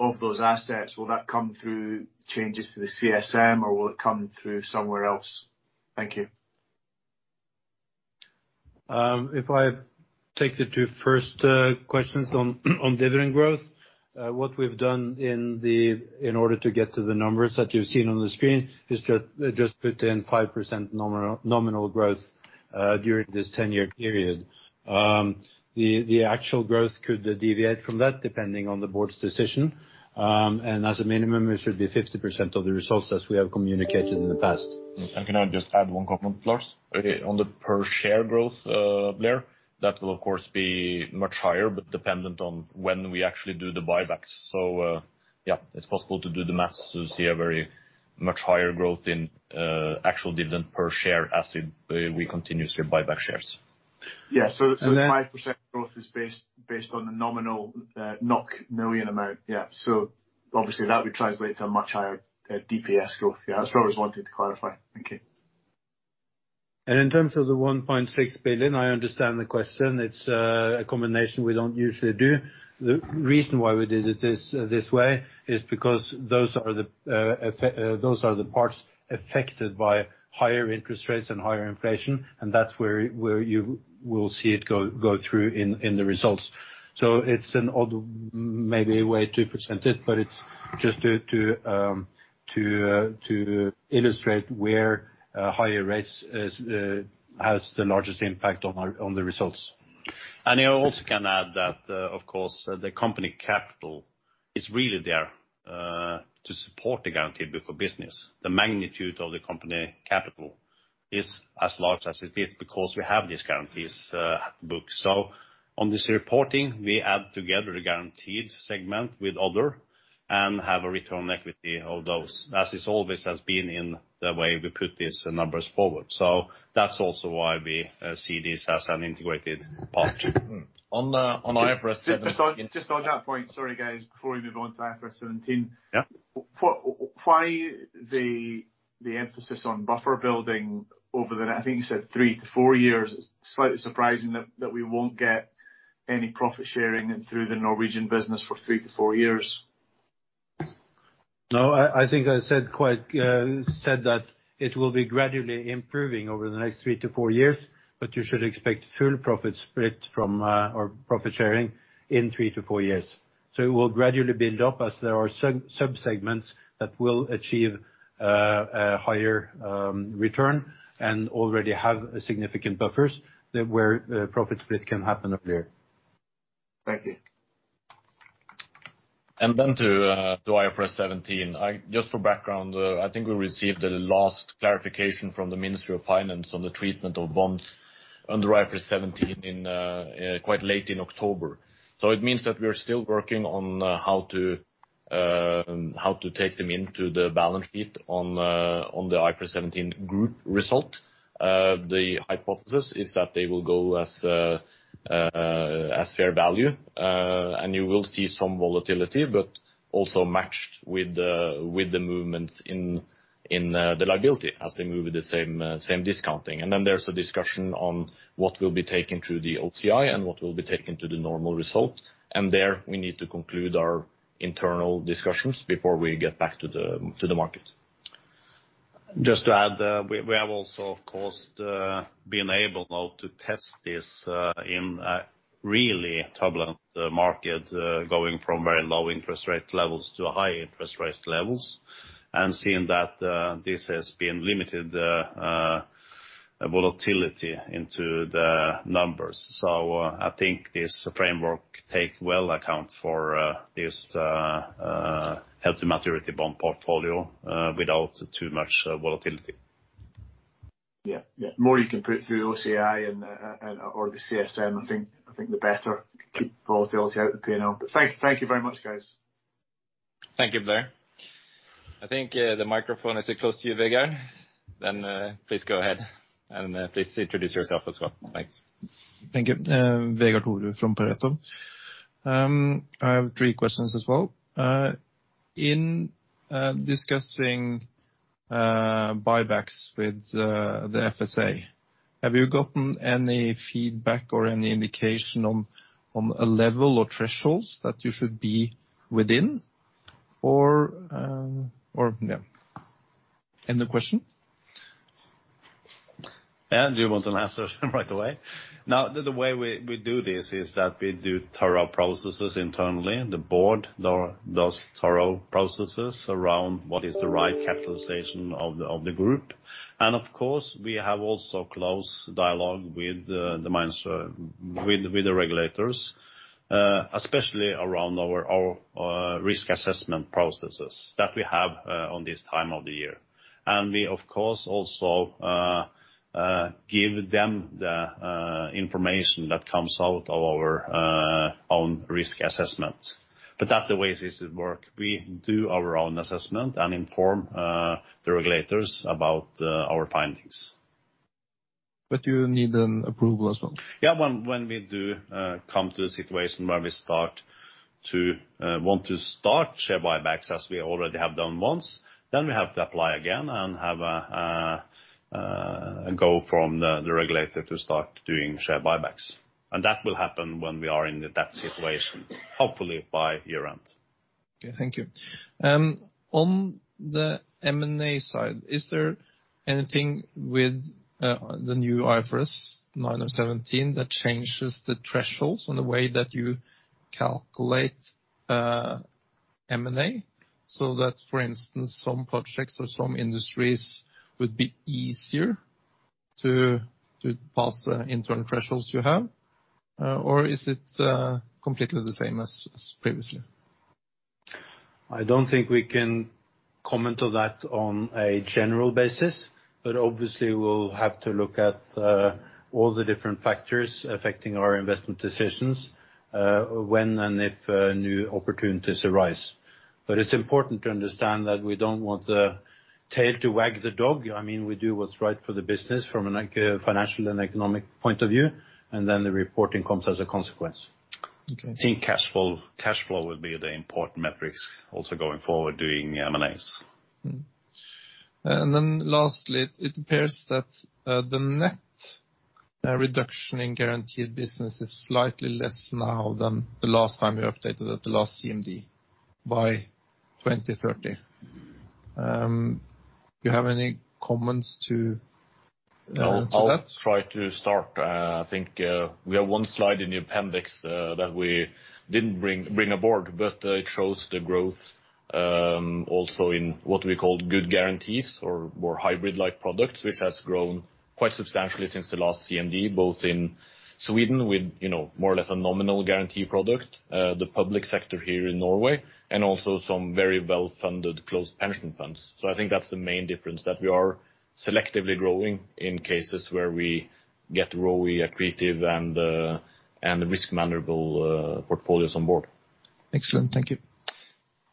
of those assets? Will that come through changes to the CSM, or will it come through somewhere else? Thank you. If I take the two first questions on dividend growth, what we've done in order to get to the numbers that you've seen on the screen is just put in 5% nominal growth during this 10-year period. The actual growth could deviate from that depending on the board's decision, and as a minimum, it should be 50% of the results as we have communicated in the past. I can just add one comment, Lars. On the per-share growth, Blair, that will, of course, be much higher, but dependent on when we actually do the buybacks, so yeah, it's possible to do the math to see a very much higher growth in actual dividend per share as we continuously buy back shares. Yeah, so 5% growth is based on the nominal million amount. Yeah, so obviously that would translate to a much higher DPS growth. Yeah, that's what I was wanting to clarify. Thank you. And in terms of the 1.6 billion, I understand the question. It's a combination we don't usually do. The reason why we did it this way is because those are the parts affected by higher interest rates and higher inflation, and that's where you will see it go through in the results. So it's maybe a way to present it, but it's just to illustrate where higher rates has the largest impact on the results. And I also can add that, of course, the Company Capital is really there to support the guaranteed book of business. The magnitude of the Company Capital is as large as it is because we have these guarantees at the book. So on this reporting, we add together the guaranteed segment with other and have a return on equity of those, as it always has been in the way we put these numbers forward. So that's also why we see this as an integrated part. On IFRS 17. Just on that point, sorry, guys, before we move on to IFRS 17, why the emphasis on buffer building over the next, I think you said three to four years. It's slightly surprising that we won't get any profit sharing through the Norwegian business for three to four years. No, I think I said that it will be gradually improving over the next three to four years, but you should expect full profit split or profit sharing in three to four years. So it will gradually build up as there are subsegments that will achieve a higher return and already have significant buffers where profit split can happen earlier. Thank you. And then to IFRS 17, just for background, I think we received the last clarification from the Ministry of Finance on the treatment of bonds under IFRS 17 quite late in October. So it means that we are still working on how to take them into the balance sheet on the IFRS 17 group result. The hypothesis is that they will go as fair value, and you will see some volatility, but also matched with the movements in the liability as they move with the same discounting. And then there's a discussion on what will be taken to the OCI and what will be taken to the normal result. And there we need to conclude our internal discussions before we get back to the market. Just to add, we have also, of course, been able now to test this in a really turbulent market going from very low interest rate levels to high interest rate levels and seeing that this has been limited volatility into the numbers. So I think this framework takes well account for this healthy maturity bond portfolio without too much volatility. Yeah, yeah. The more you can put it through OCI or the CSM, I think the better. Keep volatility out of the P&L. But thank you very much, guys. Thank you, Blair. I think the microphone is close to you, Vegard. Then please go ahead and please introduce yourself as well. Thanks. Thank you. Vegard Toverud from Pareto. I have three questions as well. In discussing buybacks with the FSA, have you gotten any feedback or any indication on a level or thresholds that you should be within? Or, yeah, end the question. And you want an answer right away. Now, the way we do this is that we do thorough processes internally. The board does thorough processes around what is the right capitalization of the group. And of course, we have also close dialogue with the regulators, especially around our risk assessment processes that we have on this time of the year. And we, of course, also give them the information that comes out of our own risk assessments. But that's the way this works. We do our own assessment and inform the regulators about our findings. But you need an approval as well. Yeah, when we do come to a situation where we want to start share buybacks as we already have done once, then we have to apply again and have a go from the regulator to start doing share buybacks, and that will happen when we are in that situation, hopefully by year-end. Okay, thank you. On the M&A side, is there anything with the new IFRS 17 that changes the thresholds on the way that you calculate M&A so that, for instance, some projects or some industries would be easier to pass the internal thresholds you have? Or is it completely the same as previously? I don't think we can comment on that on a general basis, but obviously, we'll have to look at all the different factors affecting our investment decisions when and if new opportunities arise. But it's important to understand that we don't want the til to wag the dog. I mean, we do what's right for the business from a financial and economic point of view, and then the reporting comes as a consequence. I think cash flow would be the important metrics also going forward doing M&As. And then lastly, it appears that the net reduction in guaranteed business is slightly less now than the last time you updated at the last CMD by 2030. Do you have any comments to add to that? I'll try to start. I think we have one slide in the appendix that we didn't bring aboard, but it shows the growth also in what we call good guarantees or hybrid-like products, which has grown quite substantially since the last CMD, both in Sweden with more or less a nominal guarantee product, the public sector here in Norway, and also some very well-funded closed pension funds. So I think that's the main difference that we are selectively growing in cases where we get ROI, accretive, and risk-manageable portfolios on board. Excellent. Thank you.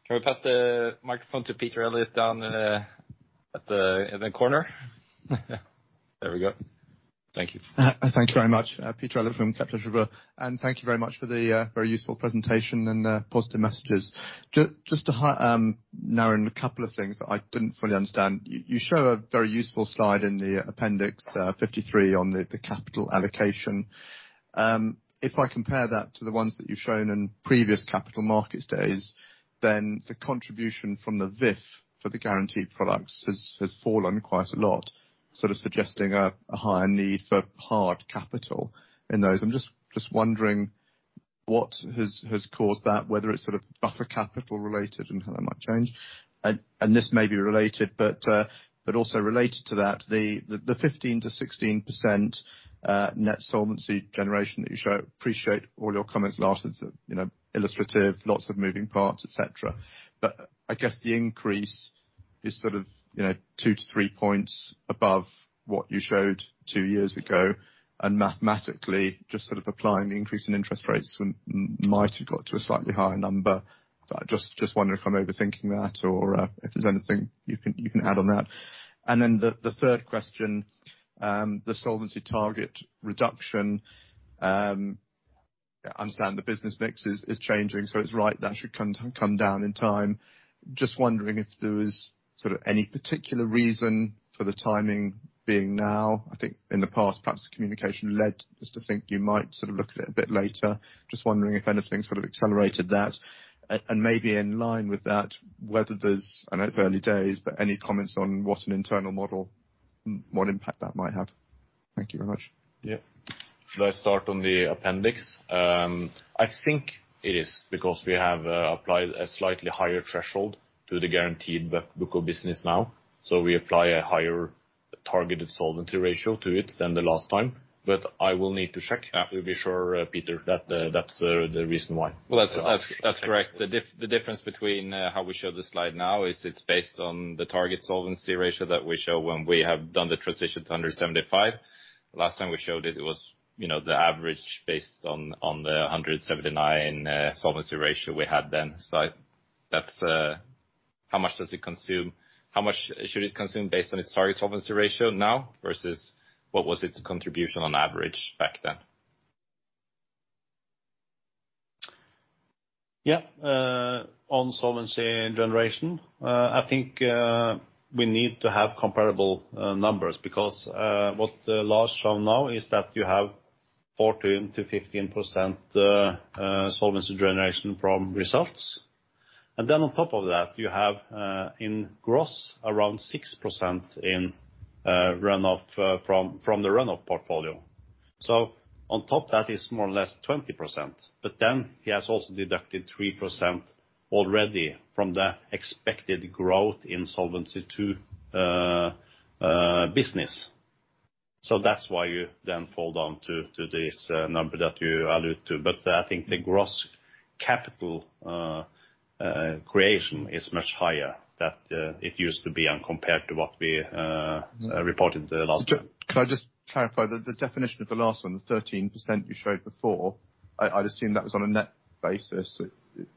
Can we pass the microphone to Peter Eliot down at the corner? There we go. Thank you. Thank you very much, Peter Eliot from Kepler Cheuvreux. And thank you very much for the very useful presentation and positive messages. Just to narrow in a couple of things that I didn't fully understand, you show a very useful slide in the appendix 53 on the capital allocation. If I compare that to the ones that you've shown in previous capital markets days, then the contribution from the VIF for the guaranteed products has fallen quite a lot, sort of suggesting a higher need for hard capital in those. I'm just wondering what has caused that, whether it's sort of buffer capital related and how that might change, and this may be related, but also related to that, the 15%-16% net solvency generation that you show, I appreciate all your comments last, it's illustrative, lots of moving parts, etc., but I guess the increase is sort of two to three points above what you showed two years ago. And mathematically, just sort of applying the increase in interest rates, we might have got to a slightly higher number. Just wondering if I'm overthinking that or if there's anything you can add on that. And then the third question, the solvency target reduction. I understand the business mix is changing, so it's right that should come down in time. Just wondering if there was sort of any particular reason for the timing being now. I think in the past, perhaps the communication led us to think you might sort of look at it a bit later. Just wondering if anything sort of accelerated that. And maybe in line with that, whether there's, I know it's early days, but any comments on what an internal model, what impact that might have? Thank you very much. Yeah. Should I start on the appendix? I think it is because we have applied a slightly higher threshold to the guaranteed book of business now. So we apply a higher targeted solvency ratio to it than the last time. But I will need to check to be sure, Peter, that that's the reason why. Well, that's correct. The difference between how we show the slide now is it's based on the target solvency ratio that we show when we have done the transition to under 75. Last time we showed it, it was the average based on the 179 solvency ratio we had then. So that's how much does it consume? How much should it consume based on its target solvency ratio now versus what was its contribution on average back then? Yeah, on solvency generation, I think we need to have comparable numbers because what the slides show now is that you have 14%-15% solvency generation from results. And then on top of that, you have in gross around 6% in runoff from the runoff portfolio. So on top, that is more or less 20%. But then he has also deducted 3% already from the expected growth in Solvency II business. So that's why you then fall down to this number that you allude to. But I think the gross capital creation is much higher than it used to be compared to what we reported last time. Can I just clarify the definition of the last one, the 13% you showed before? I'd assume that was on a net basis.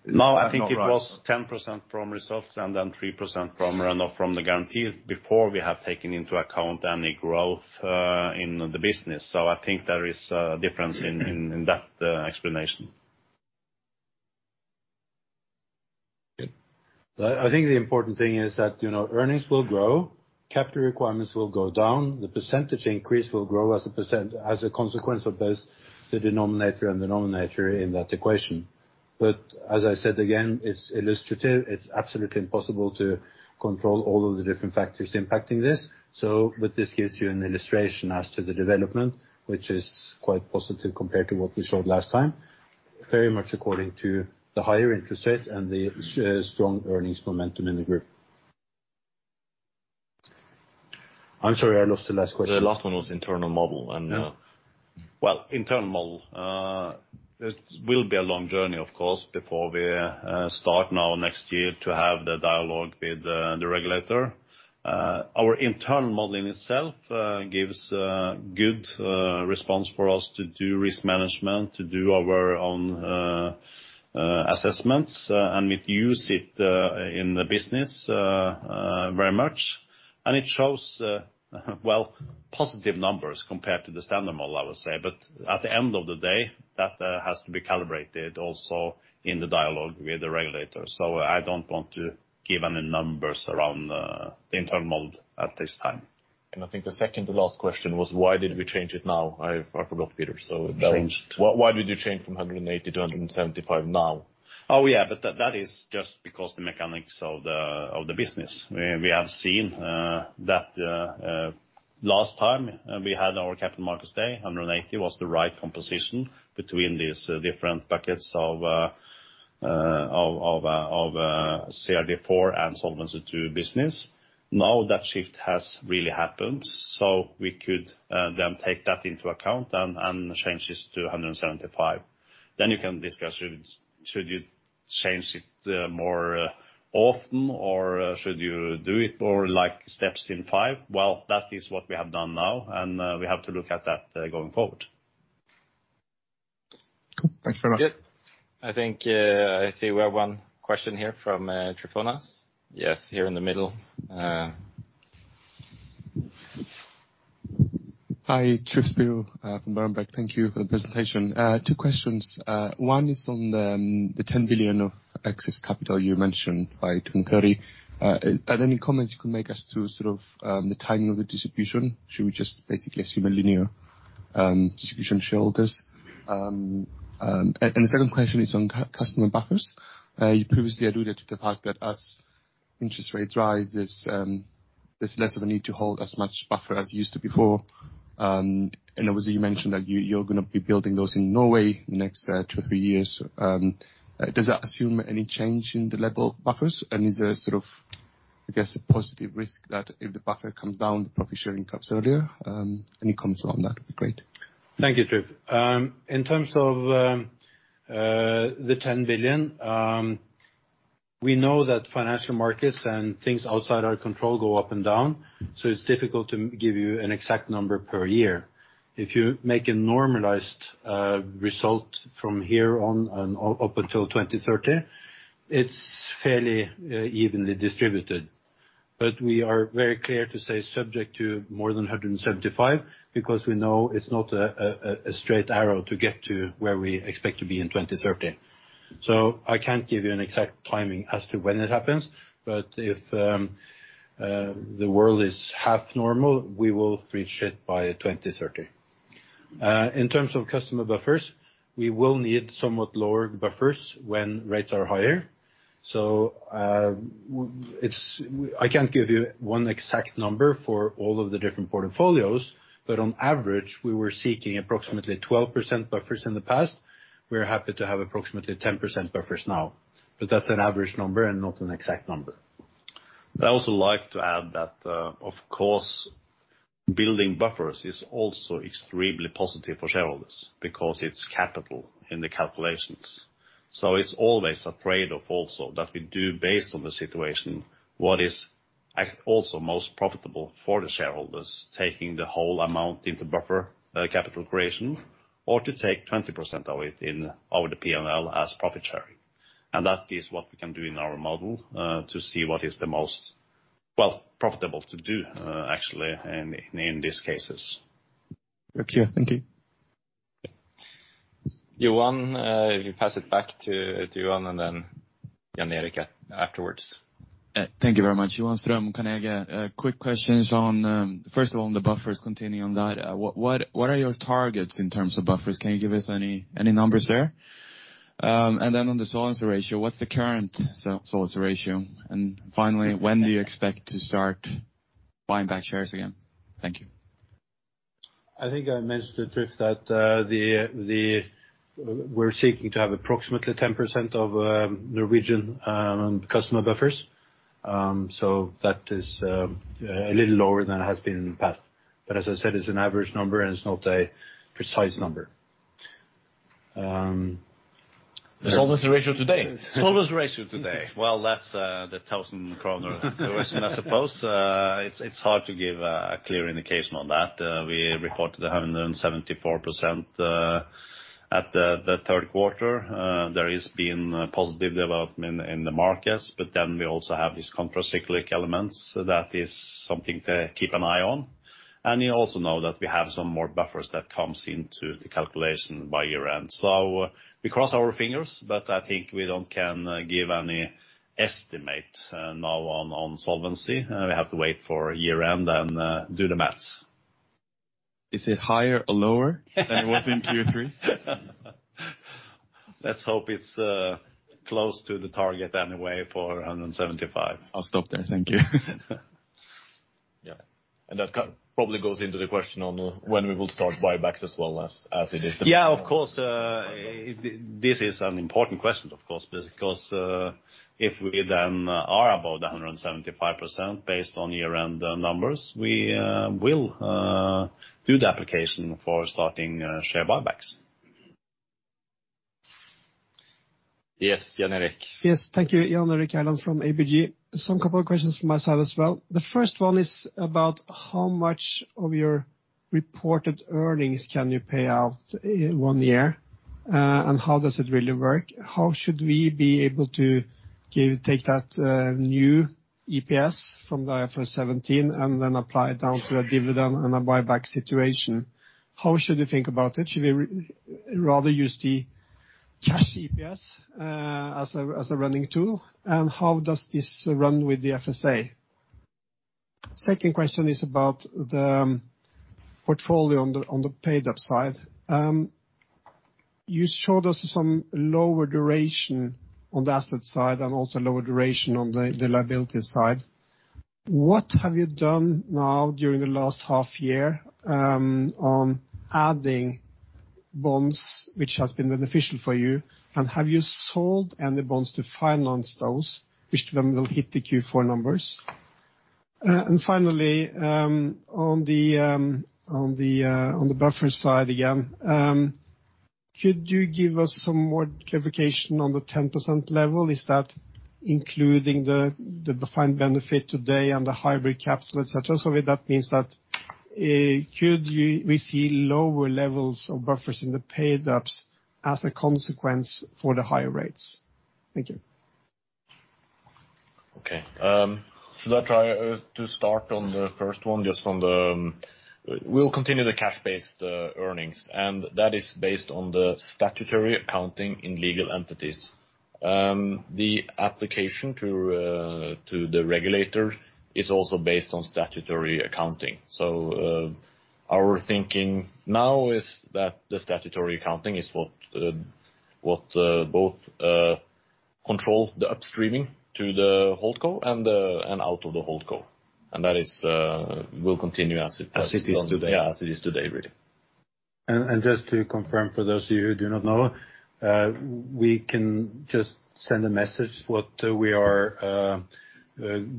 No, I think it was 10% from results and then 3% from runoff from the guarantees before we have taken into account any growth in the business, so I think there is a difference in that explanation. I think the important thing is that earnings will grow, capital requirements will go down, the percentage increase will grow as a consequence of both the denominator and the numerator in that equation, but as I said again, it's illustrative. It's absolutely impossible to control all of the different factors impacting this, so this gives you an illustration as to the development, which is quite positive compared to what we showed last time, very much according to the higher interest rate and the strong earnings momentum in the group. I'm sorry, I lost the last question. The last one was internal model, well, internal model. It will be a long journey, of course, before we start now next year to have the dialogue with the regulator. Our internal modeling itself gives good response for us to do risk management, to do our own assessments, and we use it in the business very much. And it shows, well, positive numbers compared to the standard model, I would say. But at the end of the day, that has to be calibrated also in the dialogue with the regulator. So I don't want to give any numbers around the internal model at this time. And I think the second to last question was, why did we change it now? I forgot, Peter. So why did you change from 180 to 175 now? Oh, yeah, but that is just because of the mechanics of the business. We have seen that last time we had our Capital Markets Day, 180 was the right composition between these different buckets of CRD IV and Solvency II business. Now that shift has really happened. So we could then take that into account and change this to 175. Then you can discuss, should you change it more often or should you do it more like steps in five? Well, that is what we have done now, and we have to look at that going forward. Thanks very much. I think I see we have one question here from Tryfonas.Yes, here in the middle. Hi, Tryfonas Spyrou from Berenberg. Thank you for the presentation. Two questions. One is on the 10 billion of excess capital you mentioned by 2030. Are there any comments you could make as to sort of the timing of the distribution? Should we just basically assume a linear distribution shareholders? And the second question is on customer buffers. You previously alluded to the fact that as interest rates rise, there's less of a need to hold as much buffer as you used to before. And obviously, you mentioned that you're going to be building those in Norway in the next two or three years. Does that assume any change in the level of buffers? And is there sort of, I guess, a positive risk that if the buffer comes down, the profit sharing comes earlier? Any comments on that would be great. Thank you, Tryfonas. In terms of the 10 billion, we know that financial markets and things outside our control go up and down, so it's difficult to give you an exact number per year. If you make a normalized result from here on and up until 2030, it's fairly evenly distributed. But we are very clear to say subject to more than 175 because we know it's not a straight arrow to get to where we expect to be in 2030. So I can't give you an exact timing as to when it happens, but if the world is half normal, we will reach it by 2030. In terms of customer buffers, we will need somewhat lower buffers when rates are higher. So I can't give you one exact number for all of the different portfolios, but on average, we were seeking approximately 12% buffers in the past. We're happy to have approximately 10% buffers now. But that's an average number and not an exact number. I also like to add that, of course, building buffers is also extremely positive for shareholders because it's capital in the calculations. So it's always a trade-off also that we do based on the situation, what is also most profitable for the shareholders, taking the whole amount into buffer capital creation or to take 20% of it in our P&L as profit sharing. And that is what we can do in our model to see what is the most, well, profitable to do actually in these cases. Thank you. Thank you. If you pass it back to Johan and then Jan Erik afterwards. Thank you very much. Johan Ström, Carnegie, quick questions on, first of all, the buffers, continuing on that. What are your targets in terms of buffers? Can you give us any numbers there? And then on the solvency ratio, what's the current solvency ratio? And finally, when do you expect to start buying back shares again? Thank you. I think I mentioned to Tryfonas that we're seeking to have approximately 10% of Norwegian customer buffers. So that is a little lower than it has been in the past. But as I said, it's an average number and it's not a precise number. The solvency ratio today? The solvency ratio today, well, that's the 1,000 kroner question, I suppose. It's hard to give a clear indication on that. We reported 174% at the third quarter. There has been positive development in the markets, but then we also have these countercyclical elements that is something to keep an eye on. And you also know that we have some more buffers that comes into the calculation by year-end. So we cross our fingers, but I think we don't can give any estimate now on solvency. We have to wait for year-end and do the math. Is it higher or lower than it was in Q3? Let's hope it's close to the target anyway for 175%. I'll stop there. Thank you. Yeah. And that probably goes into the question on when we will start buybacks as well as it is. Yeah, of course. This is an important question, of course, because if we then are above the 175% based on year-end numbers, we will do the application for starting share buybacks. Yes, Jan Erik. Yes. Thank you. Jan Erik Gjerland from ABG. Some couple of questions from my side as well. The first one is about how much of your reported earnings can you pay out in one year and how does it really work? How should we be able to take that new EPS from the IFRS 17 and then apply it down to a dividend and a buyback situation? How should we think about it? Should we rather use the cash EPS as a running tool? And how does this run with the FSA? Second question is about the portfolio on the paid-up side. You showed us some lower duration on the asset side and also lower duration on the liability side. What have you done now during the last half year on adding bonds which has been beneficial for you? And have you sold any bonds to finance those which then will hit the Q4 numbers? And finally, on the buffer side again, could you give us some more clarification on the 10% level? Is that including the defined benefit today and the hybrid capital, etc.? So that means that could we see lower levels of buffers in the paid-ups as a consequence for the higher rates? Thank you. Okay. Should I try to start on the first one just on the we'll continue the cash-based earnings, and that is based on the statutory accounting in legal entities. The application to the regulator is also based on statutory accounting, so our thinking now is that the statutory accounting is what both controls the upstreaming to the holdco and out of the holdco, and that will continue as it is today. Yeah, as it is today, really, and just to confirm for those of you who do not know, we can just send a message what we are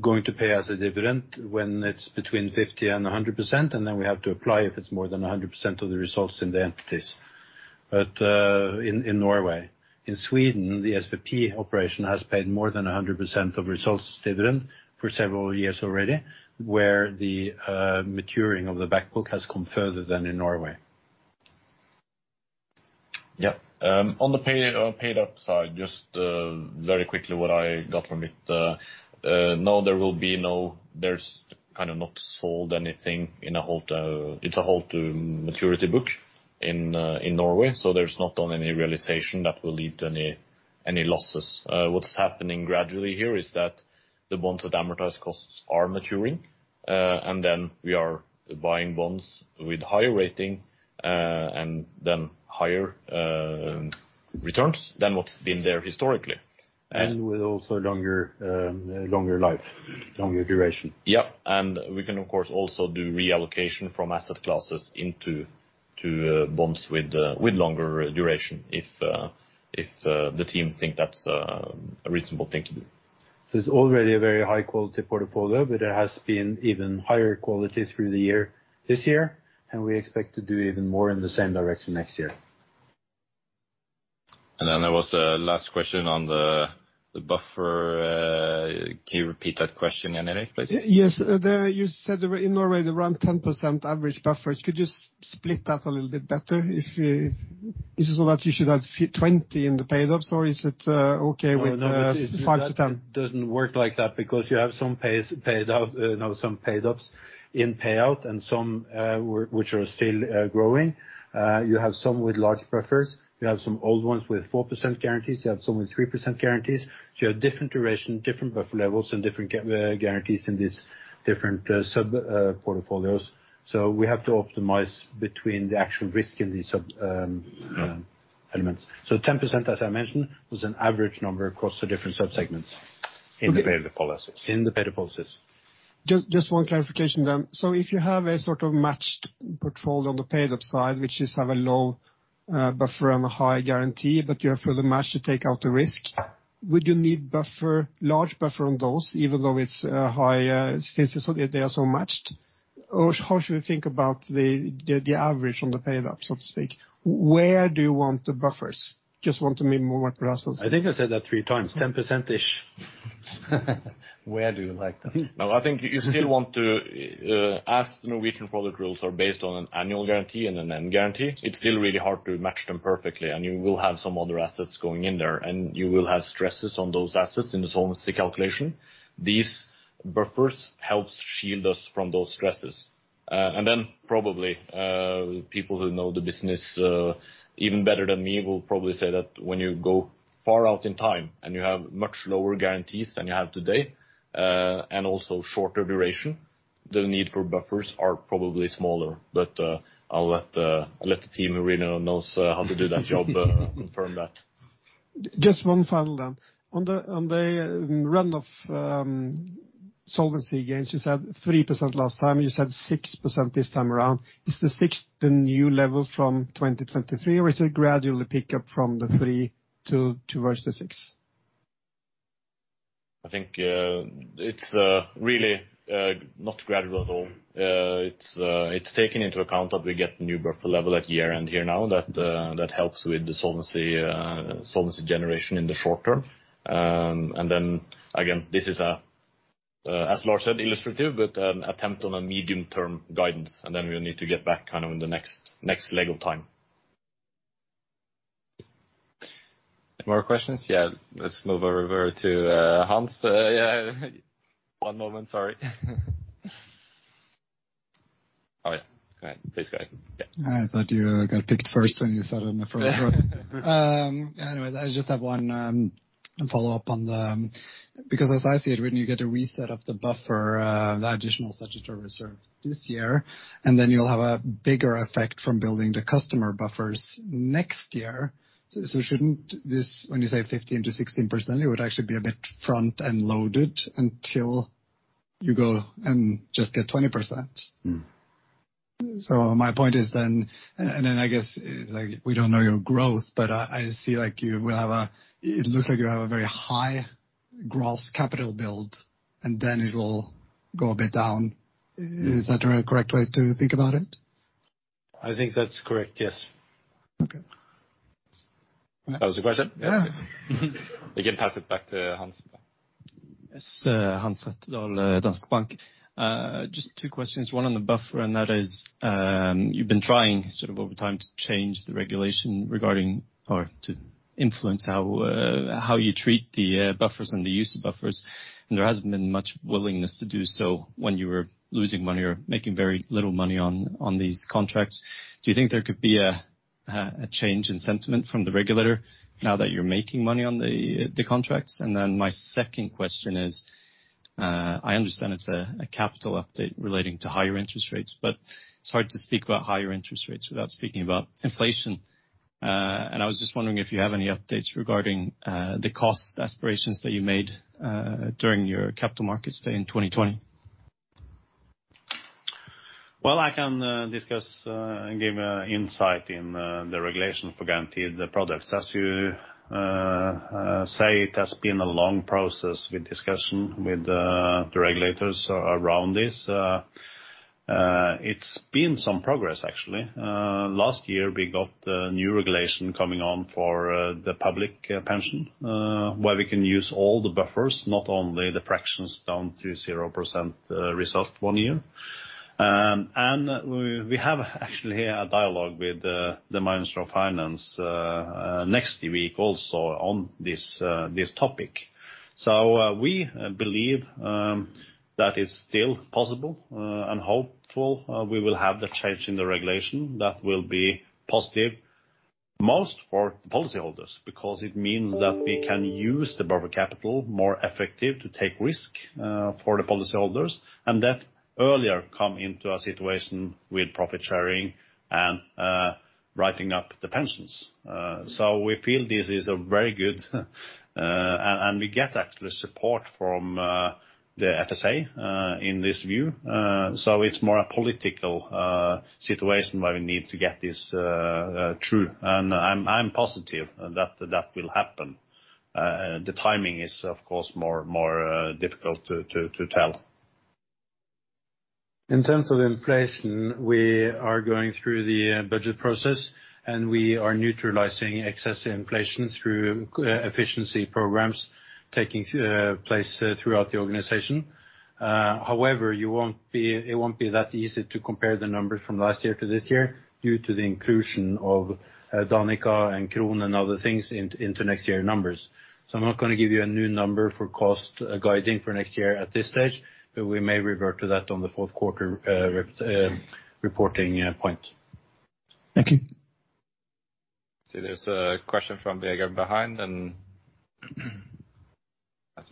going to pay as a dividend when it's between 50% and 100%, and then we have to apply if it's more than 100% of the results in the entities. But in Norway, in Sweden, the SPP operation has paid more than 100% of results dividend for several years already, where the maturing of the back book has come further than in Norway. Yeah. On the paid-up side, just very quickly what I got from it. No, there will be no. There's kind of not sold anything in a hold to maturity book in Norway, so there's not done any realization that will lead to any losses. What's happening gradually here is that the bonds at amortized costs are maturing, and then we are buying bonds with higher rating and then higher returns than what's been there historically. And with also longer life, longer duration. Yep. And we can, of course, also do reallocation from asset classes into bonds with longer duration if the team thinks that's a reasonable thing to do. It's already a very high-quality portfolio, but it has been even higher quality through the year this year, and we expect to do even more in the same direction next year. And then there was a last question on the buffer. Can you repeat that question, Jan Erik, please? Yes. You said in Norway, there are around 10% average buffers. Could you split that a little bit better? Is it so that you should have 20 in the paid-ups, or is it okay with 5 to 10? It doesn't work like that because you have some paid-up, no, some paid-ups in payout and some which are still growing. You have some with large buffers. You have some old ones with 4% guarantees. You have some with 3% guarantees. So you have different duration, different buffer levels, and different guarantees in these different sub-portfolios. So we have to optimize between the actual risk in these elements. So 10%, as I mentioned, was an average number across the different subsegments in the paid-up policies. Just one clarification then. So if you have a sort of matched portfolio on the paid-up side, which has a low buffer and a high guarantee, but It's still really hard to match them perfectly, and you will have some other assets going in there, and you will have stresses on those assets in the solvency calculation. These buffers help shield us from those stresses, and then probably people who know the business even better than me will probably say that when you go far out in time and you have much lower guarantees than you have today and also shorter duration, the need for buffers are probably smaller, but I'll let the team who really knows how to do that job confirm that. Just one final, then. On the runoff solvency gains, you said 3% last time. You said 6% this time around. Is the 6 the new level from 2023, or is it a gradual pickup from the 3 towards the 6? I think it's really not gradual at all. It's taken into account that we get a new buffer level at year-end here now that helps with the solvency generation in the short term, and then, again, this is, as Lars said, illustrative, but an attempt on a medium-term guidance, and then we'll need to get back kind of in the next leg of time. Any more questions? Yeah. Let's move over to Hans. Yeah. One moment. Sorry. Oh, yeah. Go ahead. Please go ahead. Yeah. I thought you got picked first when you said it in the first one. Anyway, I just have one follow-up on the because as I see it written, you get a reset of the buffer, the additional statutory reserves this year, and then you'll have a bigger effect from building the customer buffers next year. So shouldn't this, when you say 15%-16%, it would actually be a bit front-end loaded until you go and just get 20%? So my point is then, and then I guess we don't know your growth, but I see like you will have a it looks like you have a very high gross capital build, and then it will go a bit down. Is that a correct way to think about it? I think that's correct, yes. Okay. That was the question? Yeah. We can pass it back to Hans. Yes. Hans Rettedal, Danske Bank. Just two questions. One on the buffer, and that is you've been trying sort of over time to change the regulation regarding or to influence how you treat the buffers and the use of buffers. There hasn't been much willingness to do so when you were losing money or making very little money on these contracts. Do you think there could be a change in sentiment from the regulator now that you're making money on the contracts? Then my second question is, I understand it's a capital update relating to higher interest rates, but it's hard to speak about higher interest rates without speaking about inflation. I was just wondering if you have any updates regarding the cost aspirations that you made during your Capital Markets Day in 2020. I can discuss and give insight in the regulation for guaranteed products. As you say, it has been a long process with discussion with the regulators around this. It's been some progress, actually. Last year, we got the new regulation coming on for the public pension, where we can use all the buffers, not only the fractions down to 0% result one year, and we have actually a dialogue with the Ministry of Finance next week also on this topic. We believe that it's still possible and hopefully we will have the change in the regulation that will be positive most for the policyholders because it means that we can use the buffer capital more effectively to take risk for the policyholders and that earlier come into a situation with profit sharing and writing up the pensions. We feel this is a very good, and we get actually support from the FSA in this view. It's more a political situation where we need to get this through. I'm positive that that will happen. The timing is, of course, more difficult to tell. In terms of inflation, we are going through the budget process, and we are neutralizing excess inflation through efficiency programs taking place throughout the organization. However, it won't be that easy to compare the numbers from last year to this year due to the inclusion of Danica and Kron and other things into next year's numbers. So I'm not going to give you a new number for cost guiding for next year at this stage, but we may revert to that on the fourth quarter reporting point. Thank you. I see there's a question from Vegard behind, and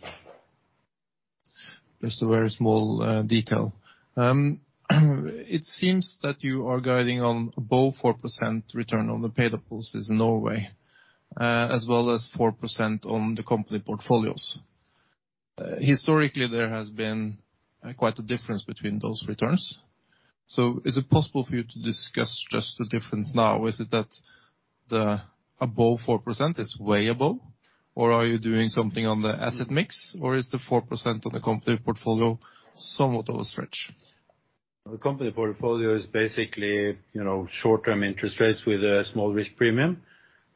that's fine. Just a very small detail. It seems that you are guiding on above 4% return on the paid-up policies in Norway, as well as 4% on the company portfolios. Historically, there has been quite a difference between those returns. So is it possible for you to discuss just the difference now? Is it that the above 4% is way above, or are you doing something on the asset mix, or is the 4% on the company portfolio somewhat of a stretch? The company portfolio is basically short-term interest rates with a small risk premium.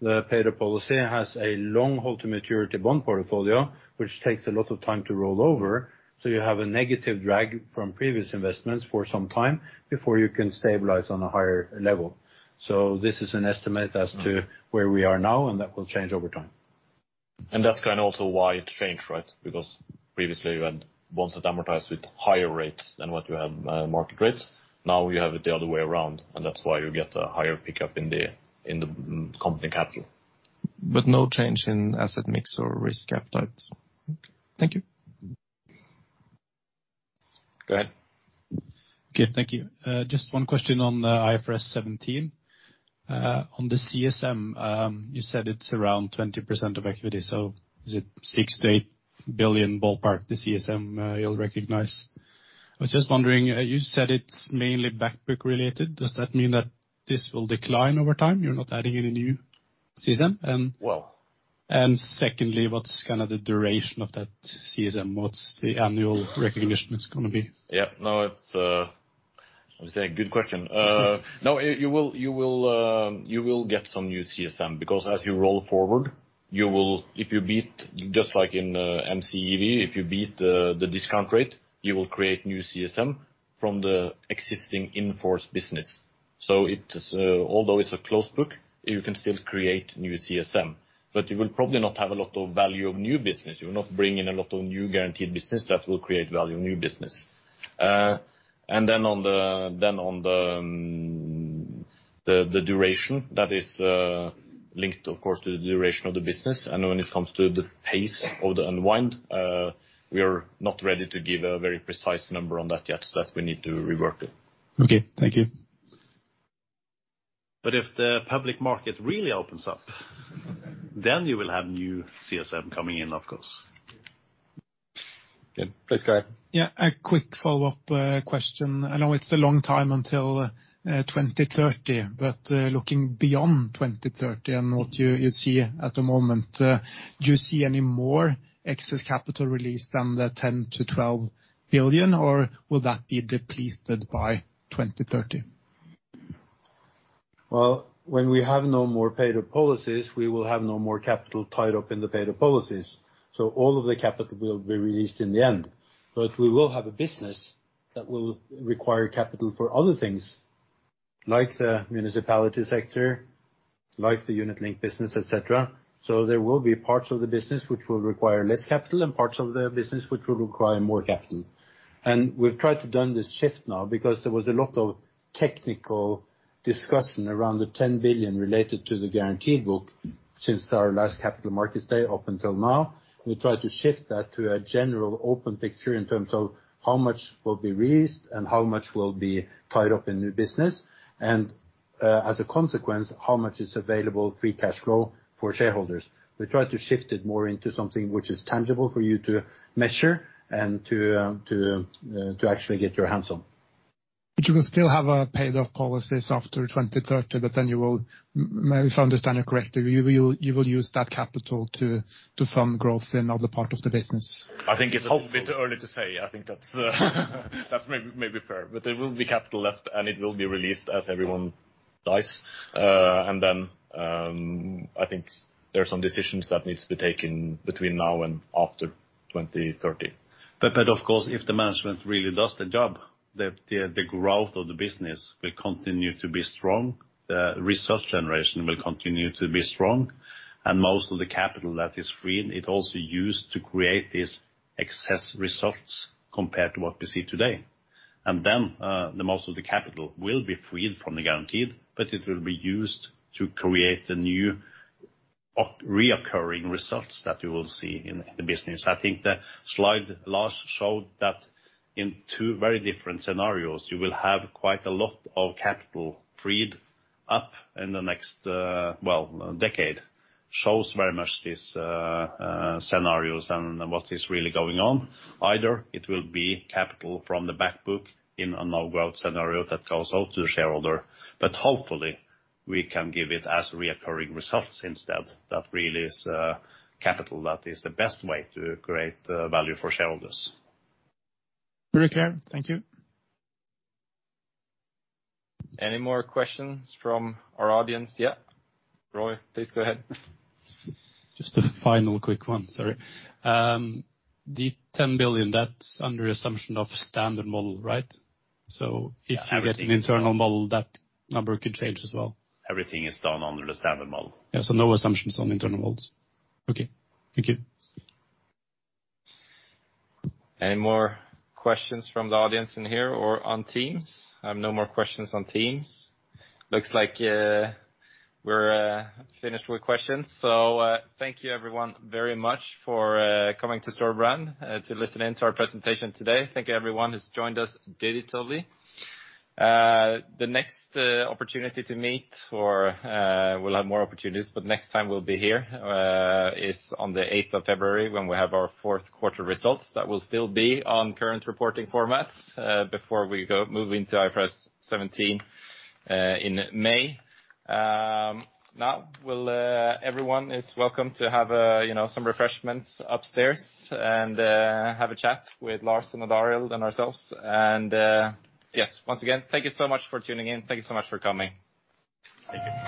The paid-up policy has a hold-to-maturity bond portfolio, which takes a lot of time to roll over. So you have a negative drag from previous investments for some time before you can stabilize on a higher level. So this is an estimate as to where we are now, and that will change over time. And that's kind of also why it changed, right? Because previously, you had bonds that amortized with higher rates than what you have market rates. Now you have it the other way around, and that's why you get a higher pickup in the Company Capital. But no change in asset mix or risk appetite. Okay. Thank you. Go ahead. Okay. Thank you. Just one question on the IFRS 17. On the CSM, you said it's around 20% of equity. So is it 6-8 billion ballpark, the CSM you'll recognize? I was just wondering, you said it's mainly back book-related. Does that mean that this will decline over time? You're not adding any new CSM? And secondly, what's kind of the duration of that CSM? What's the annual recognition it's going to be? Yep. No, it's a good question. No, you will get some new CSM because as you roll forward, if you beat, just like in MCEV, if you beat the discount rate, you will create new CSM from the existing in-force business. So although it's a closed book, you can still create new CSM, but you will probably not have a lot of value of new business. You will not bring in a lot of new guaranteed business that will create value of new business. And then on the duration, that is linked, of course, to the duration of the business. And when it comes to the pace of the unwind, we are not ready to give a very precise number on that yet, so that we need to rework it. Okay. Thank you. But if the public market really opens up, then you will have new CSM coming in, of course. Okay. Please go ahead. Yeah. A quick follow-up question.I know it's a long time until 2030, but looking beyond 2030 and what you see at the moment, do you see any more excess capital released than the 10-12 billion, or will that be depleted by 2030? Well, when we have no more paid-up policies, we will have no more capital tied up in the paid-up policies. So all of the capital will be released in the end. But we will have a business that will require capital for other things, like the municipality sector, like the unit-linked business, etc. So there will be parts of the business which will require less capital and parts of the business which will require more capital. And we've tried to done this shift now because there was a lot of technical discussion around the 10 billion related to the guaranteed book since our last capital markets day up until now. We tried to shift that to a general open picture in terms of how much will be released and how much will be tied up in new business, and as a consequence, how much is available free cash flow for shareholders. We tried to shift it more into something which is tangible for you to measure and to actually get your hands on. But you can still have paid-up policies after 2030, but then you will, if I understand you correctly, you will use that capital to fund growth in other parts of the business. I think it's a bit early to say. I think that's maybe fair, but there will be capital left, and it will be released as everyone dies. And then I think there are some decisions that need to be taken between now and after 2030. But of course, if the management really does the job, the growth of the business will continue to be strong. The resource generation will continue to be strong. And most of the capital that is freed, it also used to create these excess results compared to what we see today. And then most of the capital will be freed from the guaranteed, but it will be used to create the new recurring results that you will see in the business. I think the slide last showed that, in two very different scenarios, you will have quite a lot of capital freed up in the next, well, decade. Shows very much these scenarios and what is really going on. Either it will be capital from the back book in a no-growth scenario that goes out to the shareholder, but hopefully, we can give it as recurring results instead that really is capital that is the best way to create value for shareholders. Very clear. Thank you. Any more questions from our audience yet? Roy, please go ahead. Just a final quick one. Sorry. The 10 billion, that's under assumption of standard model, right? So if you get an internal model, that number could change as well. Everything is done under the standard model. Yeah. So no assumptions on internal models. Okay. Thank you. Any more questions from the audience in here or on Teams? I have no more questions on Teams. Looks like we're finished with questions. So thank you, everyone, very much for coming to Storebrand to listen in to our presentation today. Thank you, everyone who's joined us digitally. The next opportunity to meet, or we'll have more opportunities, but next time we'll be here is on the 8th of February when we have our fourth quarter results that will still be on current reporting formats before we move into IFRS 17 in May. Now, everyone, it's welcome to have some refreshments upstairs and have a chat with Lars and Odd Arild and ourselves, and yes, once again, thank you so much for tuning in. Thank you so much for coming. Thank you.